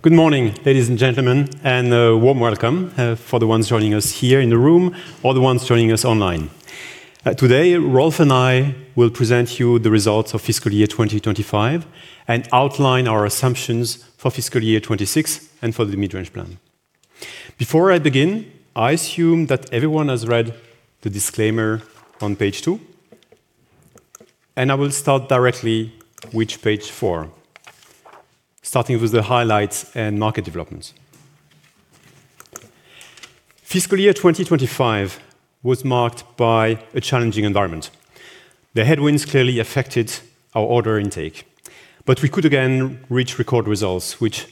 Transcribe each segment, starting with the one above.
Good morning, ladies and gentlemen, and a warm welcome for the ones joining us here in the room or the ones joining us online. Today, Rolf and I will present you the results of FY 2025 and outline our assumptions for FY 2026 and for the mid-range plan. Before I begin, I assume that everyone has read the disclaimer on page two, I will start directly with page four, starting with the highlights and market developments. FY 2025 was marked by a challenging environment. The headwinds clearly affected our order intake, we could again reach record results, which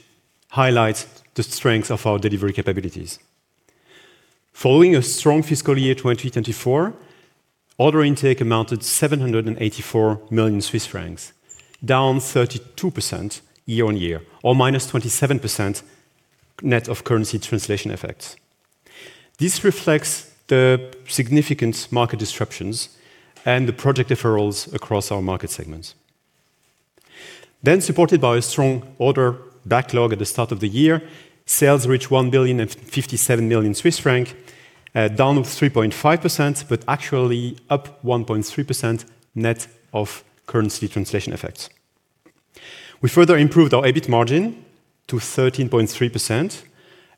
highlights the strength of our delivery capabilities. Following a strong FY 2024, order intake amounted 784 million Swiss francs, down 32% year on year, or -27% net of currency translation effects. This reflects the significant market disruptions and the project deferrals across our market segments. Supported by a strong order backlog at the start of the year, sales reached 1,057 million Swiss francs, down 3.5%, but actually up 1.3% net of currency translation effects. We further improved our EBIT margin to 13.3%,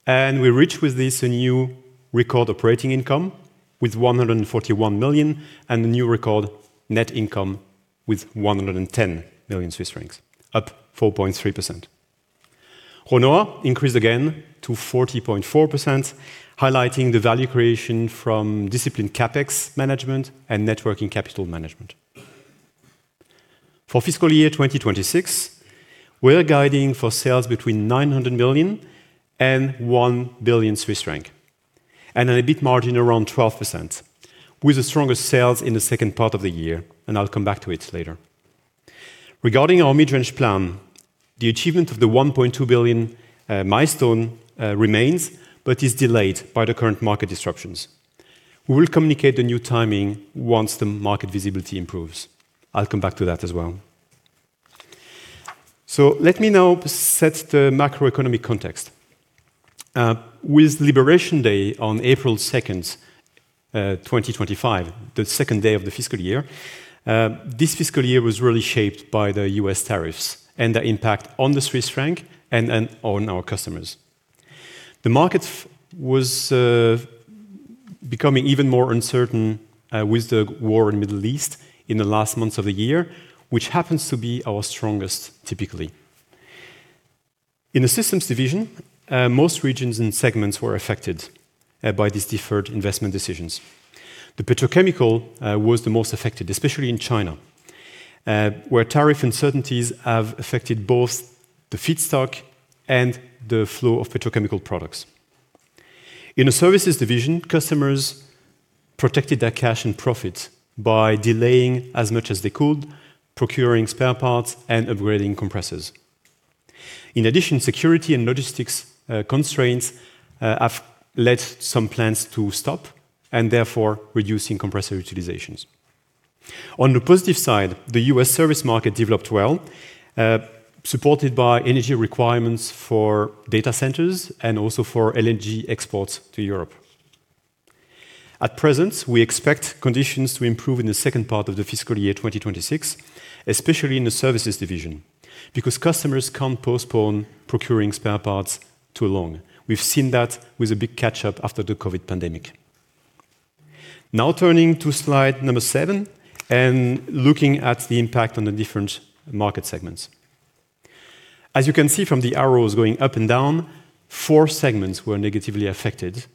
and we reached with this a new record operating income with 141 million and a new record net income with 110 million Swiss francs, up 4.3%. RONOA increased again to 40.4%, highlighting the value creation from disciplined CapEx management and net working capital management. For FY 2026, we're guiding for sales between 900 million and 1 billion Swiss franc and an EBIT margin around 12%, with the strongest sales in the second part of the year, and I'll come back to it later. Regarding our mid-range plan, the achievement of the 1.2 billion milestone remains, but is delayed by the current market disruptions. We will communicate the new timing once the market visibility improves. I’ll come back to that as well. Let me now set the macroeconomic context. With Liberation Day on April 2nd, 2025, the second day of the fiscal year, this fiscal year was really shaped by the U.S. tariffs and the impact on the Swiss franc and on our customers. The market was becoming even more uncertain with the war in Middle East in the last months of the year, which happens to be our strongest typically. In the systems division, most regions and segments were affected by these deferred investment decisions. The petrochemical was the most affected, especially in China, where tariff uncertainties have affected both the feedstock and the flow of petrochemical products. In the services division, customers protected their cash and profits by delaying as much as they could, procuring spare parts, and upgrading compressors. In addition, security and logistics constraints have led some plants to stop, and therefore reducing compressor utilizations. On the positive side, the U.S. service market developed well, supported by energy requirements for data centers and also for LNG exports to Europe. At present, we expect conditions to improve in the second part of the fiscal year 2026, especially in the services division, because customers can't postpone procuring spare parts too long. We've seen that with a big catch-up after the COVID pandemic. Now turning to slide number seven and looking at the impact on the different market segments. As you can see from the arrows going up and down, four segments were negatively affected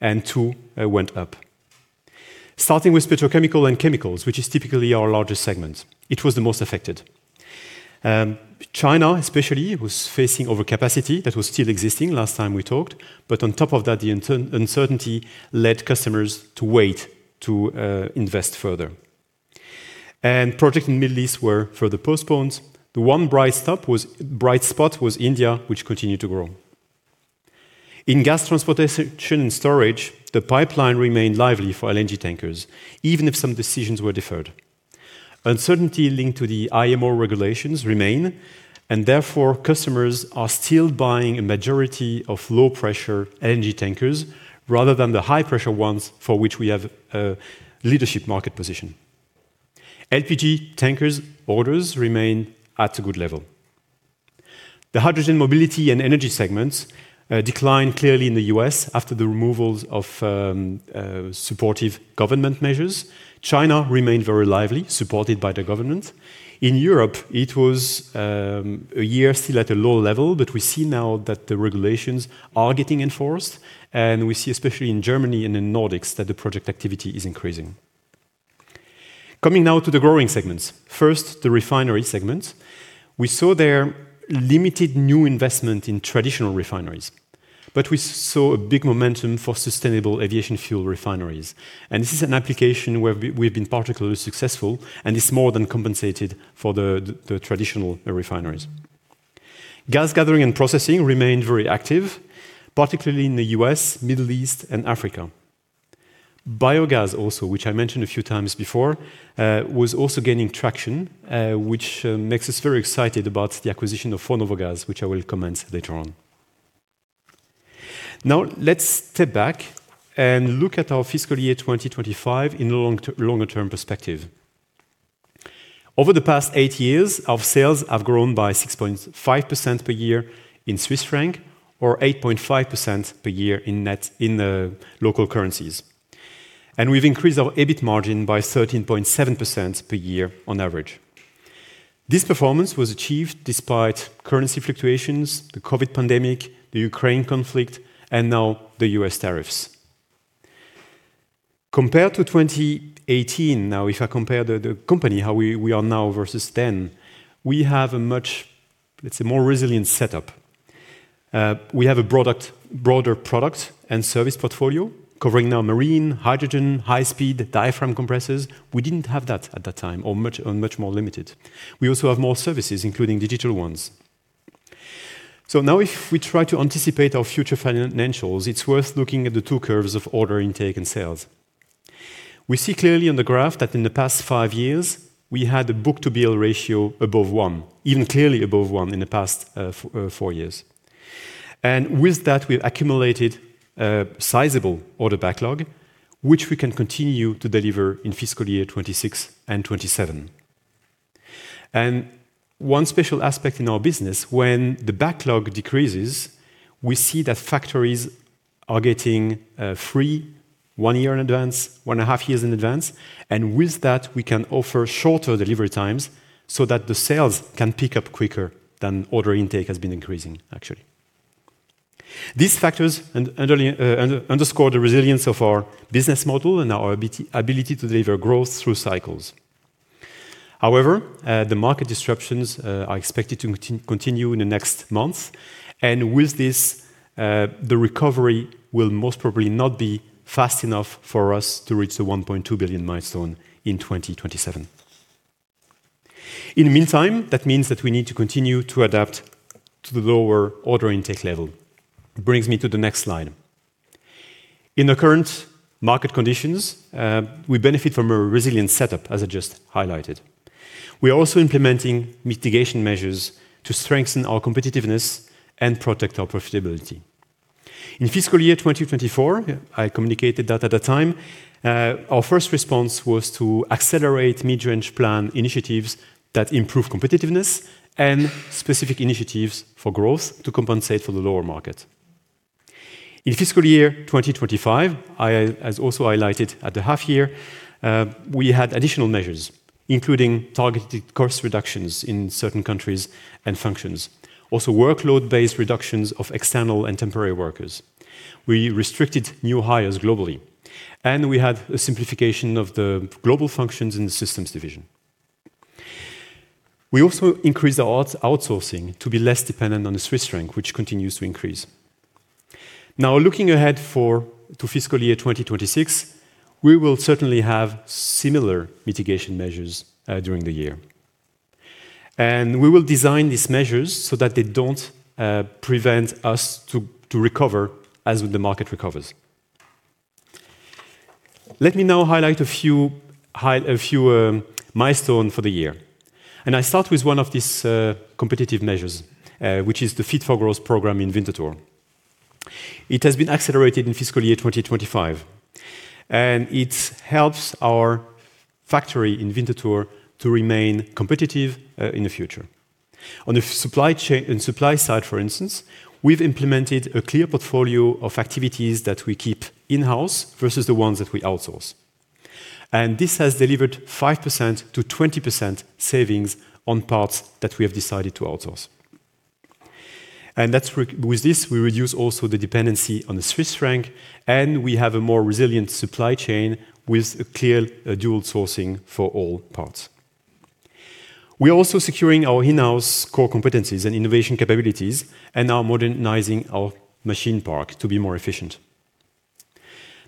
and two went up. Starting with petrochemical and chemicals, which is typically our largest segment, it was the most affected. China especially was facing overcapacity that was still existing last time we talked, but on top of that, the uncertainty led customers to wait to invest further. Projects in Middle East were further postponed. The one bright spot was India, which continued to grow. In gas transportation and storage, the pipeline remained lively for LNG tankers, even if some decisions were deferred. Uncertainty linked to the IMO regulations remain, and therefore, customers are still buying a majority of low-pressure LNG tankers rather than the high-pressure ones for which we have a leadership market position. LPG tankers orders remain at a good level. The hydrogen mobility and energy segments declined clearly in the U.S. after the removals of supportive government measures. China remained very lively, supported by the government. In Europe, it was a year still at a low level, but we see now that the regulations are getting enforced, and we see, especially in Germany and in Nordics, that the project activity is increasing. Coming now to the growing segments. First, the refinery segment. We saw there limited new investment in traditional refineries, but we saw a big momentum for sustainable aviation fuel refineries. This is an application where we have been particularly successful, and it's more than compensated for the traditional refineries. Gas gathering and processing remained very active, particularly in the U.S., Middle East, and Africa. biogas also, which I mentioned a few times before, was also gaining traction, which makes us very excited about the acquisition of Fornovo Gas, which I will comment later on. Now, let's step back and look at our fiscal year 2025 in a longer-term perspective. Over the past eight years, our sales have grown by 6.5% per year in CHF or 8.5% per year in the local currencies. We've increased our EBIT margin by 13.7% per year on average. This performance was achieved despite currency fluctuations, the COVID pandemic, the Ukraine conflict, and now the U.S. tariffs. Compared to 2018, now if I compare the company, how we are now versus then, we have a much more resilient setup. We have a broader product and service portfolio covering now marine, hydrogen, high speed, diaphragm compressors. We didn't have that at that time or much more limited. We also have more services, including digital ones. Now if we try to anticipate our future financials, it's worth looking at the two curves of order intake and sales. We see clearly on the graph that in the past five years, we had a book-to-bill ratio above one, even clearly above one in the past four years. With that, we accumulated a sizable order backlog, which we can continue to deliver in fiscal year 2026 and 2027. One special aspect in our business, when the backlog decreases, we see that factories are getting free one year in advance, one and a half years in advance, and with that we can offer shorter delivery times so that the sales can pick up quicker than order intake has been increasing, actually. These factors underscore the resilience of our business model and our ability to deliver growth through cycles. The market disruptions are expected to continue in the next months, and with this, the recovery will most probably not be fast enough for us to reach the 1.2 billion milestone in 2027. In the meantime, that means that we need to continue to adapt to the lower order intake level. That brings me to the next slide. In the current market conditions, we benefit from a resilient setup, as I just highlighted. We are also implementing mitigation measures to strengthen our competitiveness and protect our profitability. In FY 2024, I communicated that at the time, our first response was to accelerate mid-range plan initiatives that improve competitiveness and specific initiatives for growth to compensate for the lower market. In FY 2025, as also highlighted at the half year, we had additional measures, including targeted cost reductions in certain countries and functions. Also workload-based reductions of external and temporary workers. We restricted new hires globally. We had a simplification of the global functions in the systems division. We also increased our outsourcing to be less dependent on the Swiss franc, which continues to increase. Looking ahead to FY 2026, we will certainly have similar mitigation measures during the year. We will design these measures so that they don't prevent us to recover as the market recovers. Let me now highlight a few milestones for the year. I start with one of these competitive measures, which is the Fit for Growth program in Winterthur. It has been accelerated in FY 2025, and it helps our factory in Winterthur to remain competitive in the future. On the supply side, for instance, we've implemented a clear portfolio of activities that we keep in-house versus the ones that we outsource. This has delivered 5%-20% savings on parts that we have decided to outsource. With this, we reduce also the dependency on the CHF, and we have a more resilient supply chain with a clear dual sourcing for all parts. We are also securing our in-house core competencies and innovation capabilities and are modernizing our machine park to be more efficient.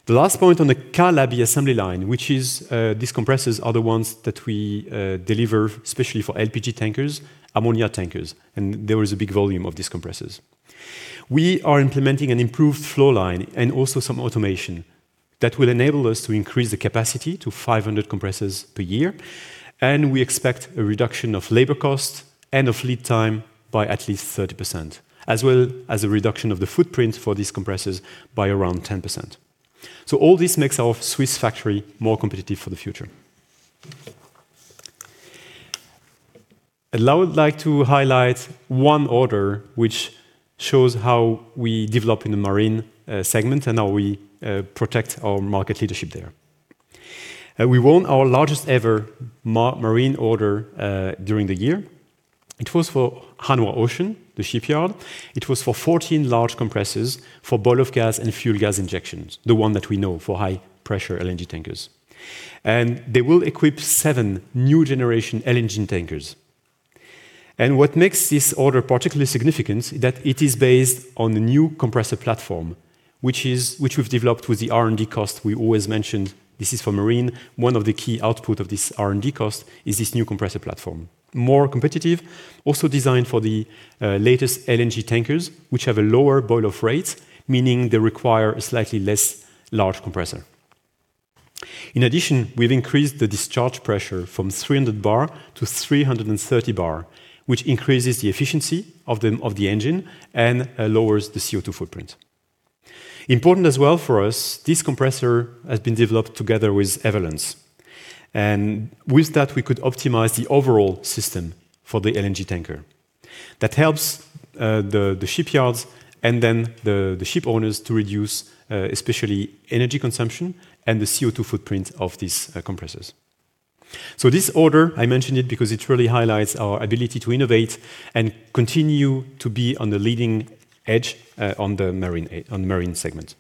The last point on the Laby® assembly line, which is these compressors are the ones that we deliver especially for LPG tankers, ammonia tankers, and there is a big volume of these compressors. We are implementing an improved flow line, also some automation that will enable us to increase the capacity to 500 compressors per year, and we expect a reduction of labor cost and of lead time by at least 30%, as well as a reduction of the footprint for these compressors by around 10%. All this makes our Swiss factory more competitive for the future. Now I would like to highlight one order which shows how we develop in the marine segment and how we protect our market leadership there. We won our largest-ever marine order during the year. It was for Hanwha Ocean, the shipyard. It was for 14 large compressors for boil-off gas and fuel gas injections, the one that we know for high-pressure LNG tankers. They will equip seven new generation LNG tankers. What makes this order particularly significant is that it is based on the new compressor platform, which we've developed with the R&D cost we always mentioned. This is for marine. One of the key output of this R&D cost is this new compressor platform. More competitive, also designed for the latest LNG tankers, which have a lower boil-off rate, meaning they require a slightly less large compressor. In addition, we've increased the discharge pressure from 300 bar-330 bar, which increases the efficiency of the engine and lowers the CO2 footprint. Important as well for us, this compressor has been developed together with Evolens. With that, we could optimize the overall system for the LNG tanker. That helps the shipyards and then the ship owners to reduce, especially energy consumption and the CO2 footprint of these compressors. This order, I mention it because it really highlights our ability to innovate and continue to be on the leading edge on the marine segment.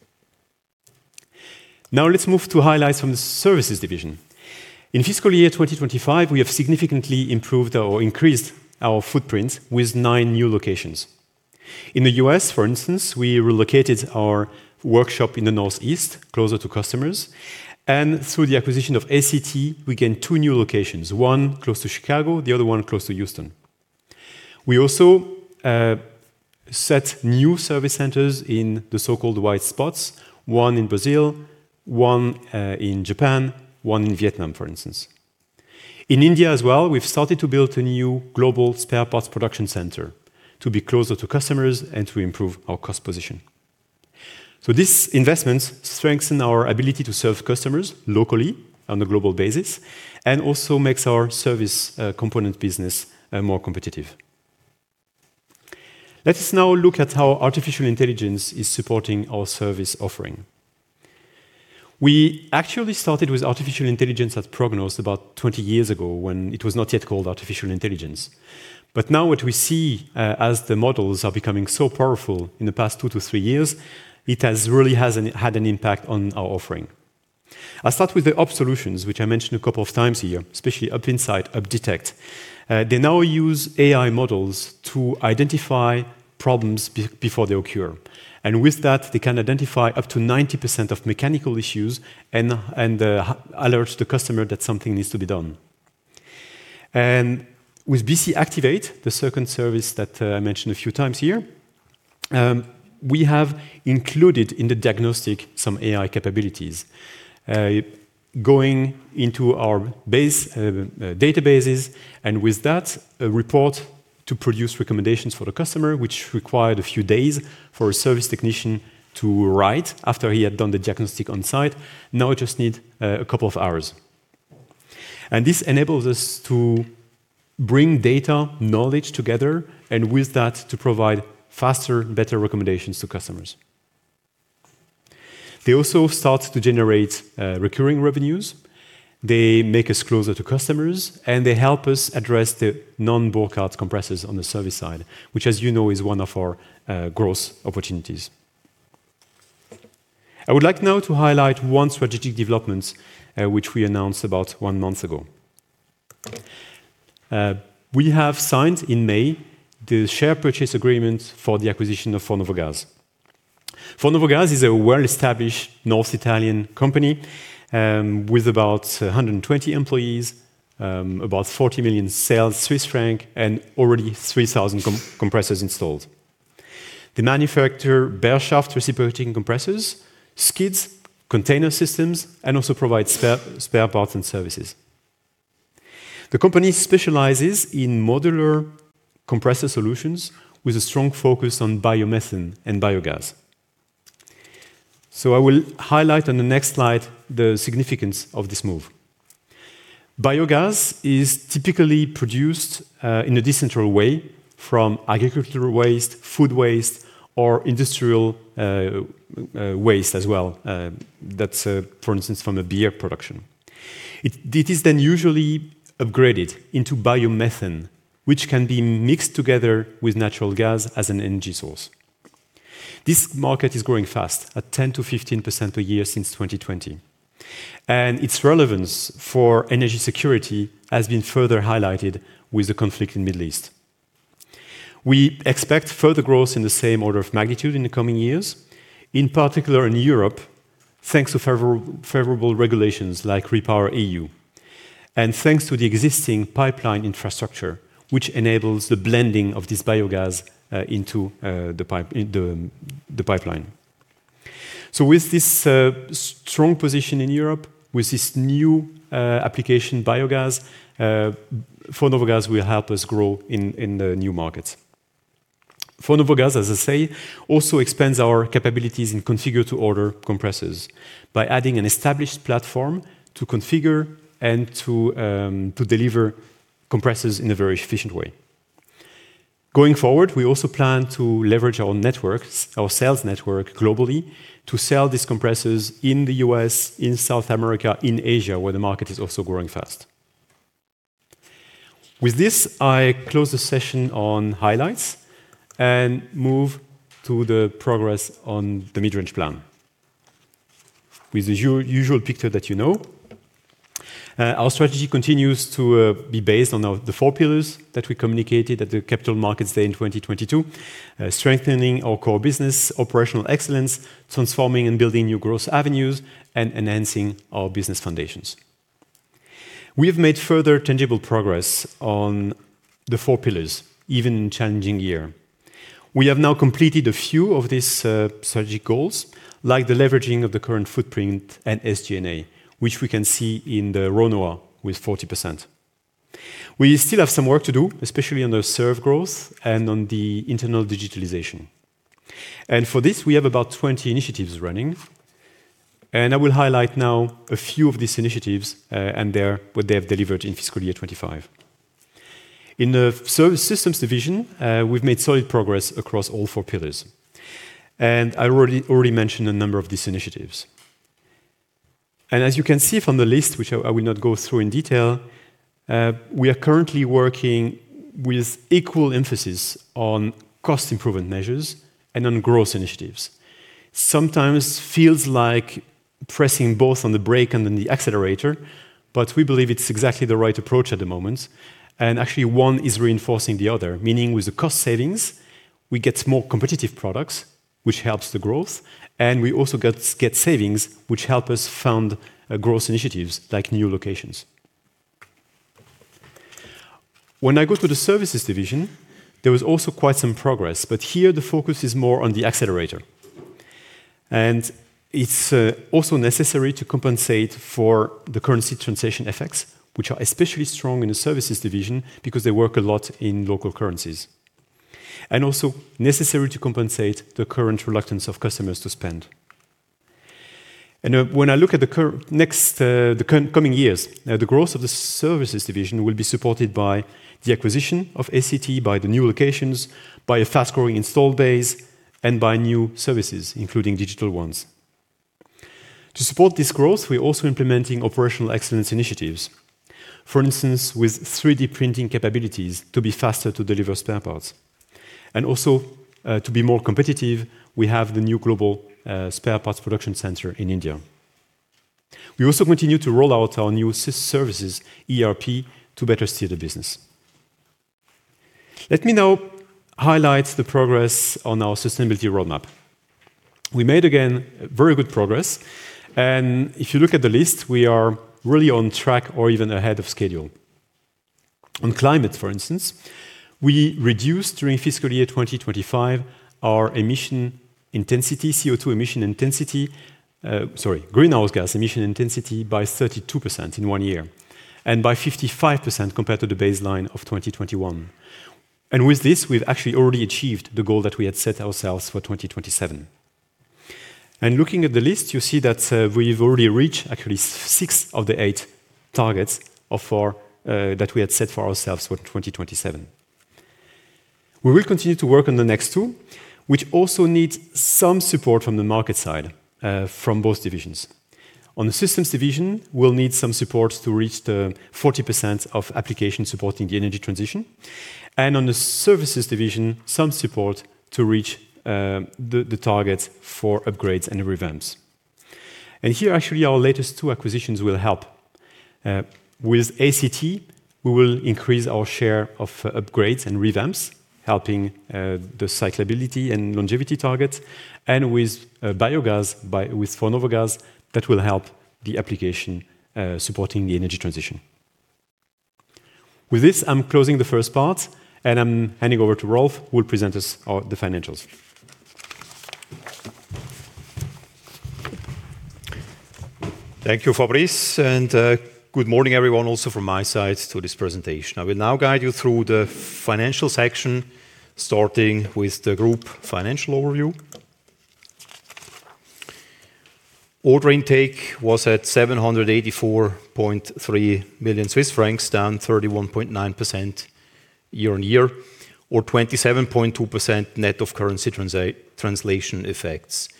Let's move to highlights from the services division. In fiscal year 2025, we have significantly improved or increased our footprint with nine new locations. In the U.S., for instance, we relocated our workshop in the northeast, closer to customers, and through the acquisition of ACT, we gained two new locations, one close to Chicago, the other one close to Houston. We also set new service centers in the so-called white spots, one in Brazil, one in Japan, one in Vietnam, for instance. In India as well, we've started to build a new global spare parts production center to be closer to customers and to improve our cost position. These investments strengthen our ability to serve customers locally on a global basis, and also makes our service component business more competitive. Let us now look at how artificial intelligence is supporting our service offering. We actually started with artificial intelligence at Prognost about 20 years ago when it was not yet called artificial intelligence. Now what we see, as the models are becoming so powerful in the past two to three years, it really has had an impact on our offering. I'll start with the UP! solutions, which I mentioned a couple of times here, especially UPinside, UP! Detect. They now use AI models to identify problems before they occur, and with that, they can identify up to 90% of mechanical issues and alert the customer that something needs to be done. With BC ACTIVATE, the second service that I mentioned a few times here, we have included in the diagnostic some AI capabilities. Going into our base databases, and with that, a report to produce recommendations for the customer, which required a few days for a service technician to write after he had done the diagnostic on site, now just need a couple of hours. This enables us to bring data knowledge together, and with that, to provide faster, better recommendations to customers. They also start to generate recurring revenues. They make us closer to customers, and they help us address the non-Burckhardt compressors on the service side, which, as you know, is one of our growth opportunities. I would like now to highlight one strategic development, which we announced about one month ago. We have signed in May the share purchase agreement for the acquisition of Fornovo Gas. Fornovo Gas is a well-established North Italian company, with about 120 employees, about 40 million sales, and already 3,000 compressors installed. They manufacture bare shaft reciprocating compressors, skids, container systems, and also provide spare parts and services. The company specializes in modular compressor solutions with a strong focus on biomethane and biogas. I will highlight on the next slide the significance of this move. Biogas is typically produced in a decentral way from agricultural waste, food waste, or industrial waste as well. That's, for instance, from a beer production. It is then usually upgraded into biomethane, which can be mixed together with natural gas as an energy source. This market is growing fast, at 10%-15% per year since 2020, and its relevance for energy security has been further highlighted with the conflict in Middle East. We expect further growth in the same order of magnitude in the coming years, in particular in Europe, thanks to favorable regulations like REPowerEU, thanks to the existing pipeline infrastructure, which enables the blending of this biogas into the pipeline. With this strong position in Europe, with this new application, biogas, Fornovo Gas will help us grow in the new markets. Fornovo Gas, as I say, also expands our capabilities in configure-to-order compressors by adding an established platform to configure and to deliver compressors in a very efficient way. Going forward, we also plan to leverage our networks, our sales network globally, to sell these compressors in the U.S., in South America, in Asia, where the market is also growing fast. With this, I close the session on highlights and move to the progress on the mid-range plan. With the usual picture that you know, our strategy continues to be based on the four pillars that we communicated at the Capital Markets Day in 2022, strengthening our core business, operational excellence, transforming and building new growth avenues, and enhancing our business foundations. We have made further tangible progress on the four pillars, even in a challenging year. We have now completed a few of these strategic goals, like the leveraging of the current footprint and SG&A, which we can see in the RONOA with 40%. We still have some work to do, especially on the service growth and on the internal digitalization. For this, we have about 20 initiatives running, and I will highlight now a few of these initiatives, and what they have delivered in FY 2025. In the Systems division, we've made solid progress across all four pillars. I already mentioned a number of these initiatives. As you can see from the list, which I will not go through in detail, we are currently working with equal emphasis on cost improvement measures and on growth initiatives. Sometimes feels like pressing both on the brake and on the accelerator, but we believe it's exactly the right approach at the moment, and actually one is reinforcing the other. Meaning, with the cost savings, we get more competitive products, which helps the growth, and we also get savings, which help us fund growth initiatives like new locations. When I go to the Services Division, there was also quite some progress, but here the focus is more on the accelerator. It's also necessary to compensate for the currency translation effects, which are especially strong in the Services Division because they work a lot in local currencies, and also necessary to compensate the current reluctance of customers to spend. When I look at the coming years, the growth of the Services Division will be supported by the acquisition of ACT, by the new locations, by a fast-growing installed base, and by new services, including digital ones. To support this growth, we're also implementing operational excellence initiatives. For instance, with 3D printing capabilities to be faster to deliver spare parts. Also, to be more competitive, we have the new global spare parts production center in India. We also continue to roll out our new services, ERP, to better steer the business. Let me now highlight the progress on our sustainability roadmap. We made, again, very good progress. If you look at the list, we are really on track or even ahead of schedule. On climate, for instance, we reduced during fiscal year 2025 our greenhouse gas emission intensity by 32% in one year, by 55% compared to the baseline of 2021. With this, we've actually already achieved the goal that we had set ourselves for 2027. Looking at the list, you see that we've already reached actually six of the eight targets that we had set for ourselves for 2027. We will continue to work on the next two, which also need some support from the market side, from both divisions. On the Systems division, we'll need some support to reach the 40% of applications supporting the energy transition, and on the Services division, some support to reach the targets for upgrades and revamps. Here, actually, our latest two acquisitions will help. With ACT, we will increase our share of upgrades and revamps, helping the cyclability and longevity targets, and with biogas, with Fornovo Gas, that will help the application, supporting the energy transition. With this, I'm closing the first part, and I'm handing over to Rolf, who will present us the financials. Thank you, Fabrice, and good morning everyone also from my side to this presentation. I will now guide you through the financial section, starting with the group financial overview. Order intake was at 784.3 million Swiss francs, down 31.9% year-over-year, or 27.2% net of currency translation effects.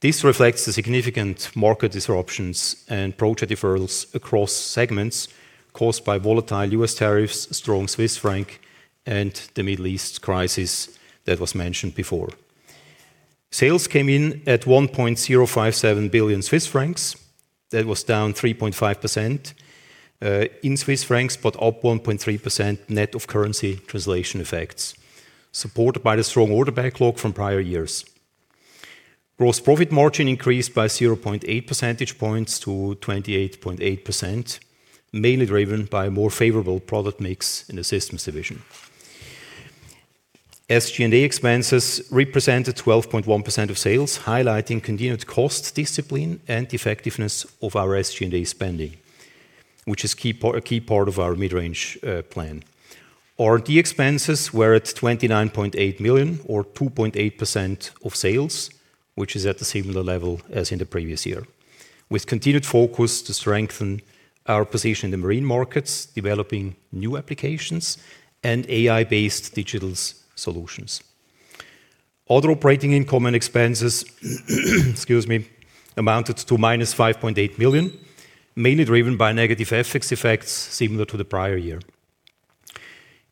This reflects the significant market disruptions and project deferrals across segments caused by volatile U.S. tariffs, strong Swiss franc, and the Middle East crisis that was mentioned before. Sales came in at 1.057 billion Swiss francs. That was down 3.5% in CHF, but up 1.3% net of currency translation effects, supported by the strong order backlog from prior years. Gross profit margin increased by 0.8 percentage points to 28.8%, mainly driven by a more favorable product mix in the Systems division. SG&A expenses represented 12.1% of sales, highlighting continued cost discipline and effectiveness of our SG&A spending, which is a key part of our mid-range plan. R&D expenses were at 29.8 million, or 2.8% of sales, which is at the similar level as in the previous year, with continued focus to strengthen our position in the marine markets, developing new applications and AI-based digital solutions. Other operating income and expenses amounted to -5.8 million, mainly driven by negative FX effects similar to the prior year.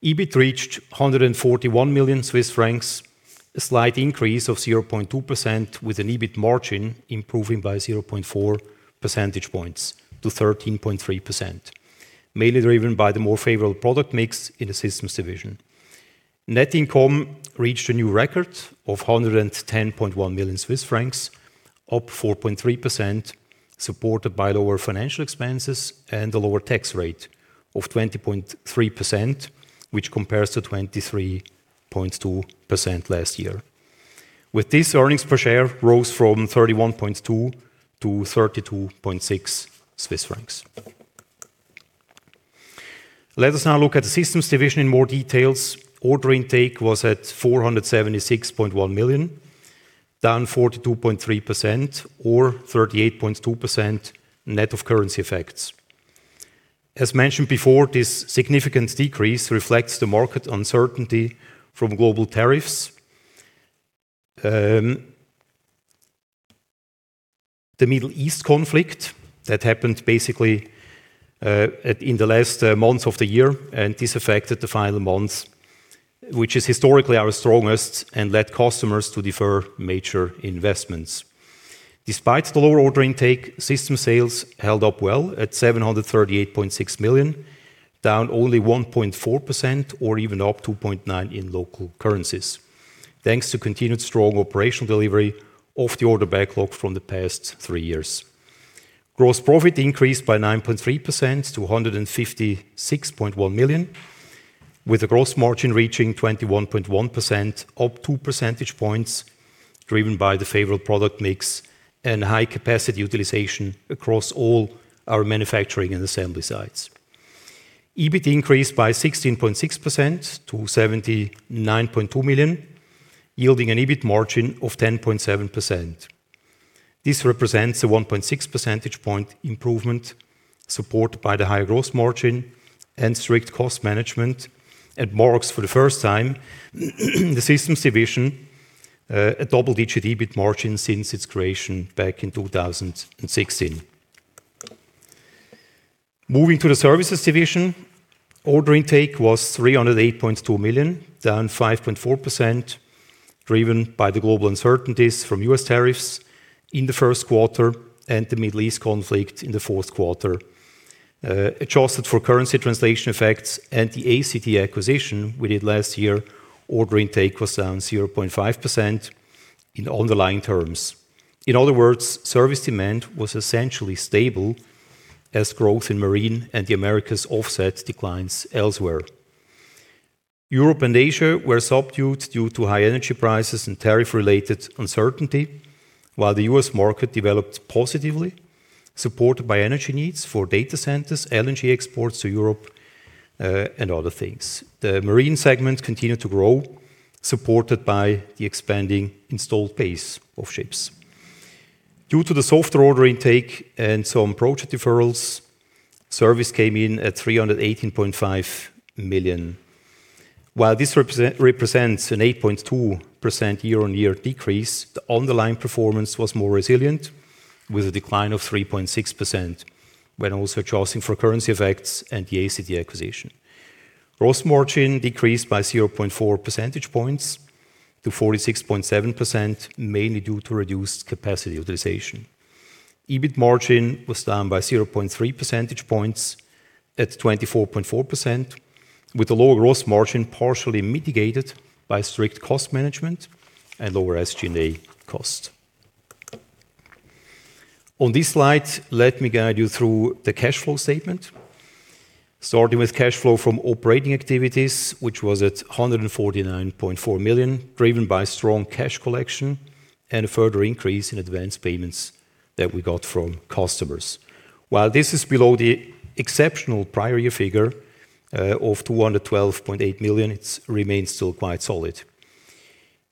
EBIT reached 141 million Swiss francs, a slight increase of 0.2%, with an EBIT margin improving by 0.4 percentage points to 13.3%, mainly driven by the more favorable product mix in the Systems division. Net income reached a new record of 110.1 million Swiss francs, up 4.3%, supported by lower financial expenses and a lower tax rate of 20.3%, which compares to 23.2% last year. With this, earnings per share rose from 31.2-32.6 Swiss francs. Let us now look at the systems division in more details. Order intake was at 476.1 million, down 42.3% or 38.2% net of currency effects. As mentioned before, this significant decrease reflects the market uncertainty from global tariffs, the Middle East conflict that happened basically in the last months of the year, and this affected the final months, which is historically our strongest, and led customers to defer major investments. Despite the lower order intake, system sales held up well at 738.6 million, down only 1.4% or even up 2.9% in local currencies, thanks to continued strong operational delivery of the order backlog from the past three years. Gross profit increased by 9.3% to 156.1 million, with the gross margin reaching 21.1% up 2 percentage points, driven by the favorable product mix and high capacity utilization across all our manufacturing and assembly sites. EBIT increased by 16.6% to 79.2 million, yielding an EBIT margin of 10.7%. This represents a 1.6 percentage point improvement, supported by the higher gross margin and strict cost management, and marks for the first time the systems division, a double-digit EBIT margin since its creation back in 2016. Moving to the services division, order intake was 308.2 million, down 5.4%, driven by the global uncertainties from U.S. tariffs in the first quarter and the Middle East conflict in the fourth quarter. Adjusted for currency translation effects and the ACT acquisition we did last year, order intake was down 0.5% in underlying terms. In other words, service demand was essentially stable as growth in Marine and the Americas offset declines elsewhere. Europe and Asia were subdued due to high energy prices and tariff-related uncertainty, while the U.S. market developed positively, supported by energy needs for data centers, LNG exports to Europe, and other things. The marine segment continued to grow, supported by the expanding installed base of ships. Due to the softer order intake and some project deferrals, service came in at 318.5 million. While this represents an 8.2% year-on-year decrease, the underlying performance was more resilient, with a decline of 3.6% when also adjusting for currency effects and the ACT acquisition. Gross margin decreased by 0.4 percentage points to 46.7%, mainly due to reduced capacity utilization. EBIT margin was down by 0.3 percentage points at 24.4%, with the lower gross margin partially mitigated by strict cost management and lower SG&A costs. On this slide, let me guide you through the cash flow statement. Starting with Cash Flow from Operating Activities, which was at 149.4 million, driven by strong cash collection and a further increase in advance payments that we got from customers. While this is below the exceptional prior year figure of 212.8 million, it remains still quite solid.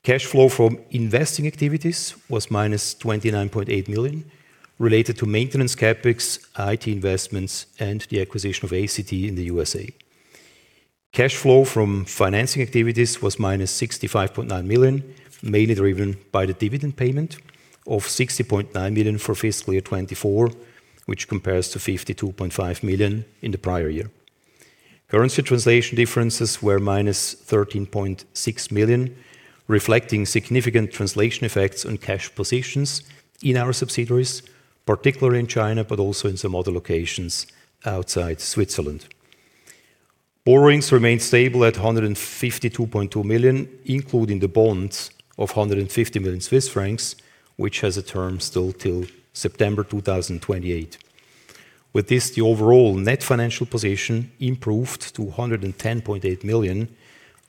Cash Flow from Investing Activities was minus 29.8 million, related to maintenance CapEx, IT investments, and the acquisition of ACT in the U.S.A. Cash Flow from Financing Activities was minus 65.9 million, mainly driven by the dividend payment of 60.9 million for fiscal year 2024, which compares to 52.5 million in the prior year. Currency translation differences were minus 13.6 million, reflecting significant translation effects on cash positions in our subsidiaries, particularly in China, but also in some other locations outside Switzerland. Borrowings remained stable at 152.2 million, including the bonds of 150 million Swiss francs, which has a term still till September 2028. With this, the overall net financial position improved to 110.8 million,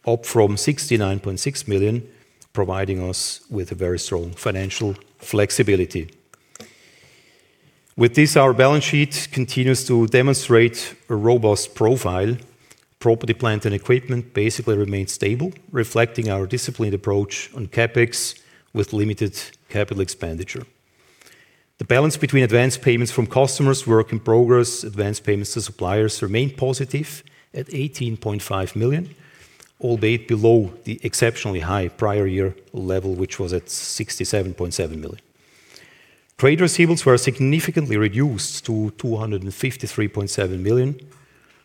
up from 69.6 million, providing us with a very strong financial flexibility. With this, our balance sheet continues to demonstrate a robust profile. Property, plant, and equipment basically remained stable, reflecting our disciplined approach on CapEx with limited capital expenditure. The balance between advance payments from customers, work in progress, advance payments to suppliers remained positive at 18.5 million, albeit below the exceptionally high prior year level, which was at 67.7 million. Trade receivables were significantly reduced to 253.7 million,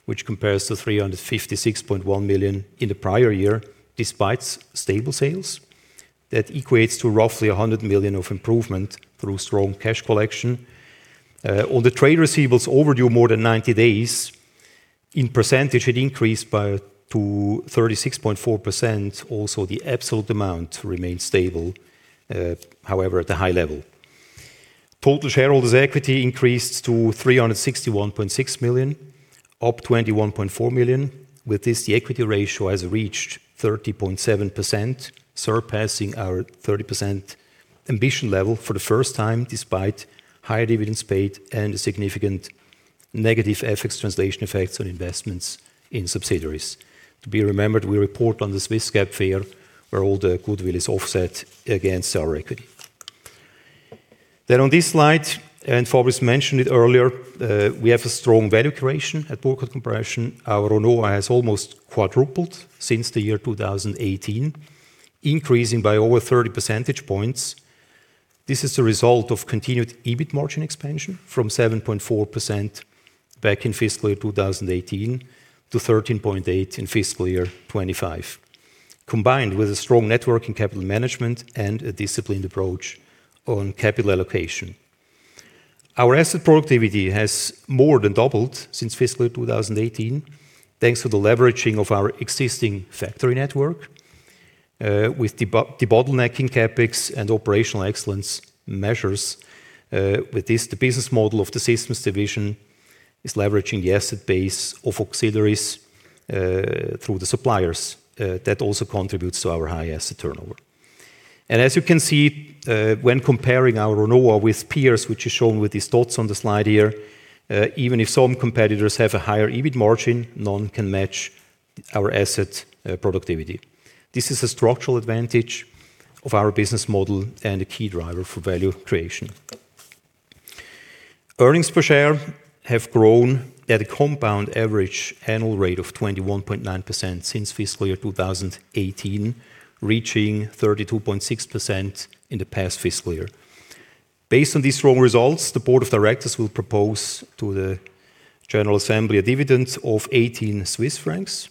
which compares to 356.1 million in the prior year, despite stable sales. That equates to roughly 100 million of improvement through strong cash collection. On the trade receivables overdue more than 90 days, in percentage, it increased to 36.4%. The absolute amount remained stable, however, at the high level. Total shareholders' equity increased to 361.6 million, up 21.4 million. With this, the equity ratio has reached 30.7%, surpassing our 30% ambition level for the first time, despite high dividends paid and a significant negative FX translation effect on investments in subsidiaries. To be remembered, we report on the Swiss GAAP FER, where all the goodwill is offset against our equity. On this slide, and Fabrice mentioned it earlier, we have a strong value creation at Burckhardt Compression. Our RONOA has almost quadrupled since the year 2018, increasing by over 30 percentage points. This is a result of continued EBIT margin expansion from 7.4% back in fiscal year 2018 to 13.8% in fiscal year 2025, combined with a strong network in capital management and a disciplined approach on capital allocation. Our asset productivity has more than doubled since fiscal 2018, thanks to the leveraging of our existing factory network, with debottlenecking CapEx and operational excellence measures. With this, the business model of the Systems Division is leveraging the asset base of auxiliaries through the suppliers. That also contributes to our high asset turnover. As you can see, when comparing our ROA with peers, which is shown with these dots on the slide here, even if some competitors have a higher EBIT margin, none can match our asset productivity. This is a structural advantage of our business model and a key driver for value creation. Earnings per share have grown at a compound average annual rate of 21.9% since fiscal year 2018, reaching 32.6% in the past fiscal year. Based on these strong results, the board of directors will propose to the general assembly a dividend of 18 Swiss francs,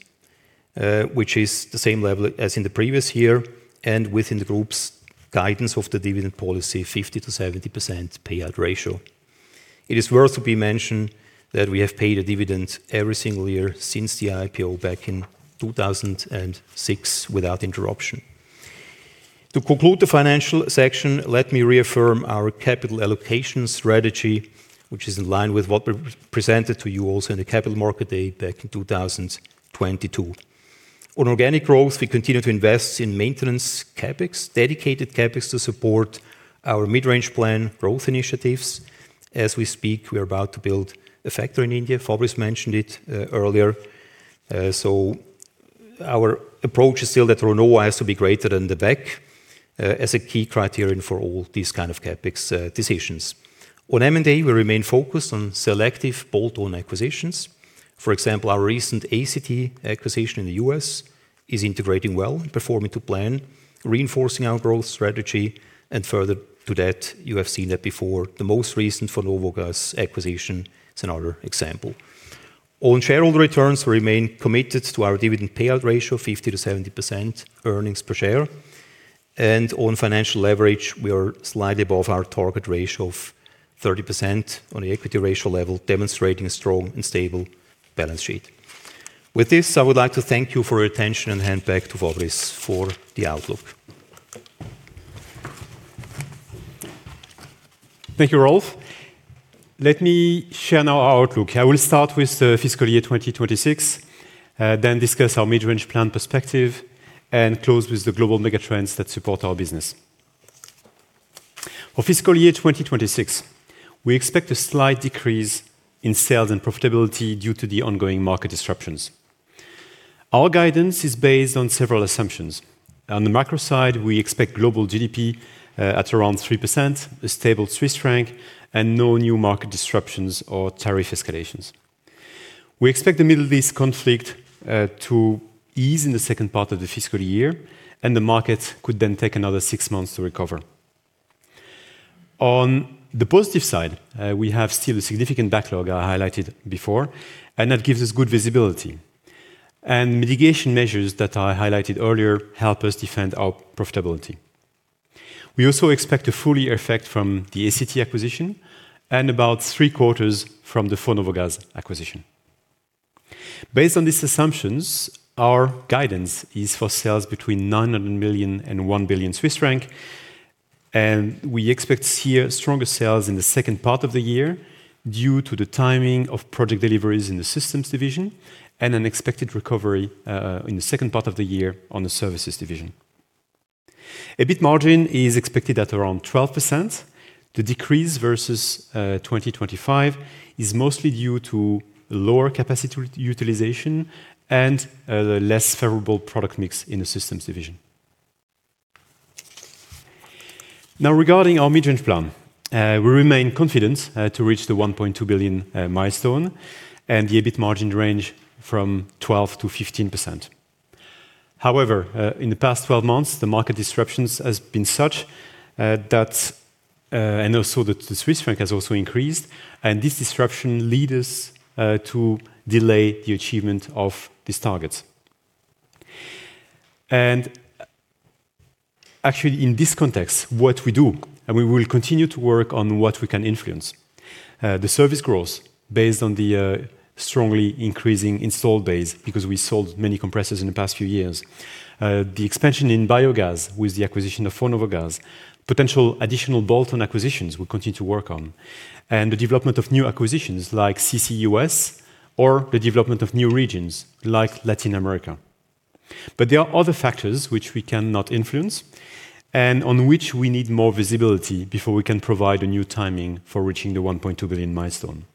which is the same level as in the previous year and within the group's guidance of the dividend policy, 50%-70% payout ratio. It is worth to be mentioned that we have paid a dividend every single year since the IPO back in 2006 without interruption. To conclude the financial section, let me reaffirm our capital allocation strategy, which is in line with what we presented to you also in the Capital Markets Day back in 2022. On organic growth, we continue to invest in maintenance CapEx, dedicated CapEx to support our mid-range plan growth initiatives. As we speak, we are about to build a factory in India. Fabrice mentioned it earlier. Our approach is still that RONOA has to be greater than the WACC as a key criterion for all these kind of CapEx decisions. On M&A, we remain focused on selective bolt-on acquisitions. For example, our recent ACT acquisition in the U.S. is integrating well and performing to plan, reinforcing our growth strategy. Further to that, you have seen that before. The most recent Fornovo Gas acquisition is another example. On shareholder returns, we remain committed to our dividend payout ratio, 50%-70% earnings per share. On financial leverage, we are slightly above our target ratio of 30% on the equity ratio level, demonstrating a strong and stable balance sheet. With this, I would like to thank you for your attention and hand back to Fabrice for the outlook. Thank you, Rolf. Let me share now our outlook. I will start with fiscal year 2026, then discuss our mid-range plan perspective, and close with the global megatrends that support our business. For fiscal year 2026, we expect a slight decrease in sales and profitability due to the ongoing market disruptions. Our guidance is based on several assumptions. On the macro side, we expect global GDP at around 3%, a stable Swiss franc, and no new market disruptions or tariff escalations. We expect the Middle East conflict to ease in the second part of the fiscal year, and the market could then take another six months to recover. On the positive side, we have still a significant backlog I highlighted before, and that gives us good visibility. Mitigation measures that I highlighted earlier help us defend our profitability. We also expect a full-year effect from the ACT acquisition and about three-quarters from the Fornovo Gas acquisition. Based on these assumptions, our guidance is for sales between 900 million and 1 billion Swiss franc, and we expect to see stronger sales in the second part of the year due to the timing of project deliveries in the Systems Division and an expected recovery in the second part of the year on the Services Division. EBIT margin is expected at around 12%. The decrease versus 2025 is mostly due to lower capacity utilization and a less favorable product mix in the Systems Division. Now, regarding our mid-range plan, we remain confident to reach the 1.2 billion milestone and the EBIT margin range from 12%-15%. However, in the past 12 months, the market disruptions has been such that. Also, the Swiss franc has also increased, and this disruption led us to delay the achievement of these targets. Actually, in this context, what we do, we will continue to work on what we can influence. The service growth based on the strongly increasing install base because we sold many compressors in the past few years. The expansion in biogas with the acquisition of Fornovo Gas. Potential additional bolt-on acquisitions we continue to work on. The development of new acquisitions like CCUS or the development of new regions like Latin America. There are other factors which we cannot influence and on which we need more visibility before we can provide a new timing for reaching the 1.2 billion milestone.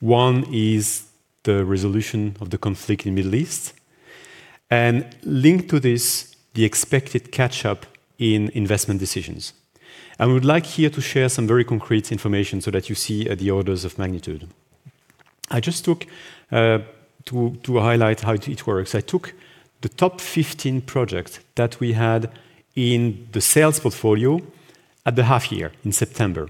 One is the resolution of the conflict in Middle East. Linked to this, the expected catch-up in investment decisions. We would like here to share some very concrete information so that you see the orders of magnitude. To highlight how it works, I took the top 15 projects that we had in the sales portfolio at the half year in September.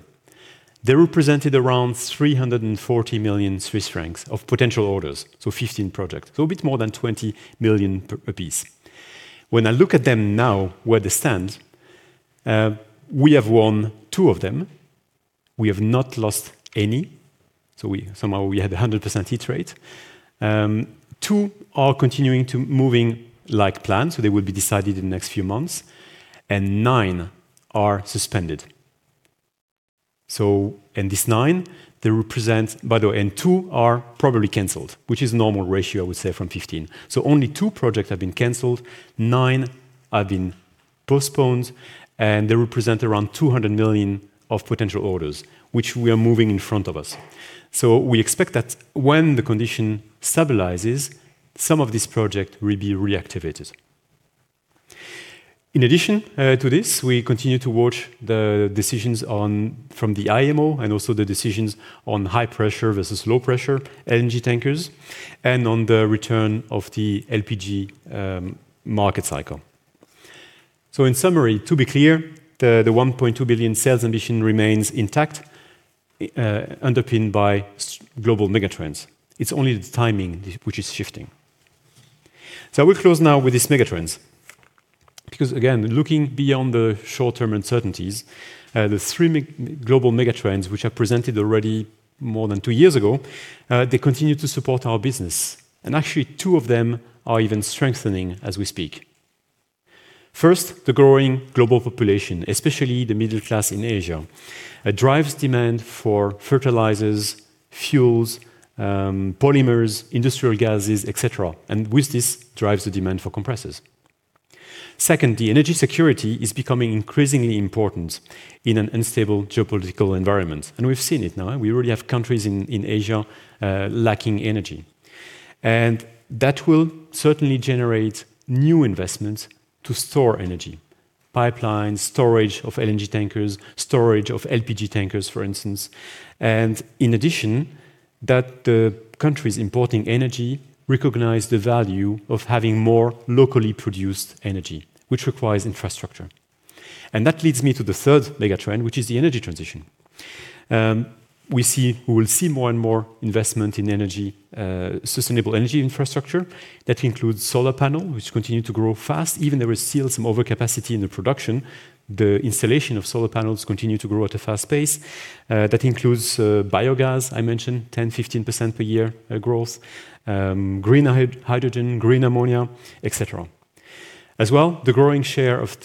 They represented around 340 million Swiss francs of potential orders, so 15 projects. A bit more than 20 million a piece. When I look at them now, where they stand, we have won two of them. We have not lost any. Somehow we had 100% hit rate. Two are continuing to moving like planned. They will be decided in the next few months. Nine are suspended. Two are probably canceled, which is normal ratio, I would say from 15. Only two projects have been canceled, nine have been postponed, and they represent around 200 million of potential orders, which we are moving in front of us. We expect that when the condition stabilizes, some of this project will be reactivated. In addition to this, we continue to watch the decisions from the IMO and also the decisions on high pressure versus low pressure LNG tankers and on the return of the LPG market cycle. In summary, to be clear, the 1.2 billion sales ambition remains intact, underpinned by global megatrends. It's only the timing which is shifting. I will close now with these megatrends. Again, looking beyond the short-term uncertainties, the three global megatrends, which I presented already more than two years ago, they continue to support our business. Actually, two of them are even strengthening as we speak. First, the growing global population, especially the middle class in Asia. It drives demand for fertilizers, fuels, polymers, industrial gases, et cetera, and with this, drives the demand for compressors. Second, the energy security is becoming increasingly important in an unstable geopolitical environment, and we've seen it now. We already have countries in Asia lacking energy. That will certainly generate new investments to store energy, pipelines, storage of LNG tankers, storage of LPG tankers, for instance. In addition, that the countries importing energy recognize the value of having more locally produced energy, which requires infrastructure. That leads me to the third megatrend, which is the energy transition. We will see more and more investment in sustainable energy infrastructure. That includes solar panel, which continue to grow fast. Even there is still some overcapacity in the production, the installation of solar panels continue to grow at a fast pace. That includes biogas, I mentioned 10, 15% per year growth, green hydrogen, green ammonia, et cetera. As well, the growing share of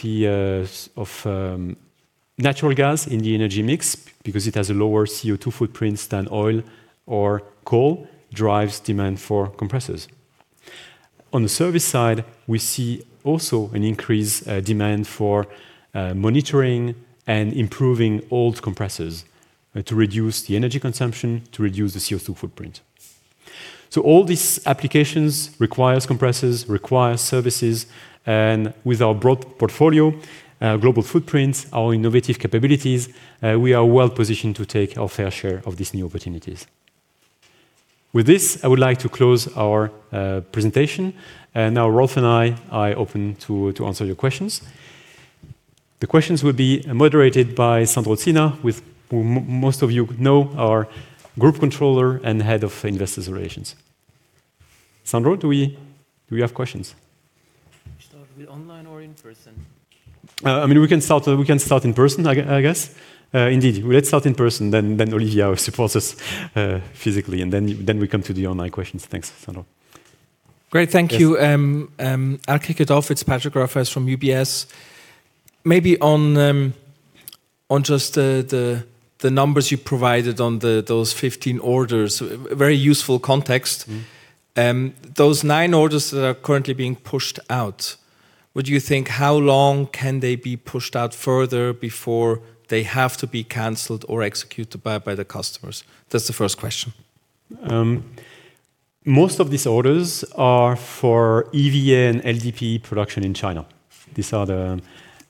natural gas in the energy mix because it has a lower CO2 footprint than oil or coal, drives demand for compressors. On the service side, we see also an increased demand for monitoring and improving old compressors to reduce the energy consumption, to reduce the CO2 footprint. All these applications requires compressors, requires services, and with our broad portfolio, global footprints, our innovative capabilities, we are well positioned to take our fair share of these new opportunities. With this, I would like to close our presentation. Now Rolf and I are open to answer your questions. The questions will be moderated by Sandro Zina, who most of you know, our Group Controller and Head of Investor Relations. Sandro, do we have questions? Start with online or in person? We can start in person, I guess. Indeed. Let's start in person, then Olivia supports us physically, and then we come to the online questions. Thanks, Sandro. Great. Thank you. I'll kick it off. It's Patrick Graf from UBS. Maybe on just the numbers you provided on those 15 orders. Very useful context. Those nine orders that are currently being pushed out, would you think how long can they be pushed out further before they have to be canceled or executed by the customers? That's the first question. Most of these orders are for EVA and LDPE production in China.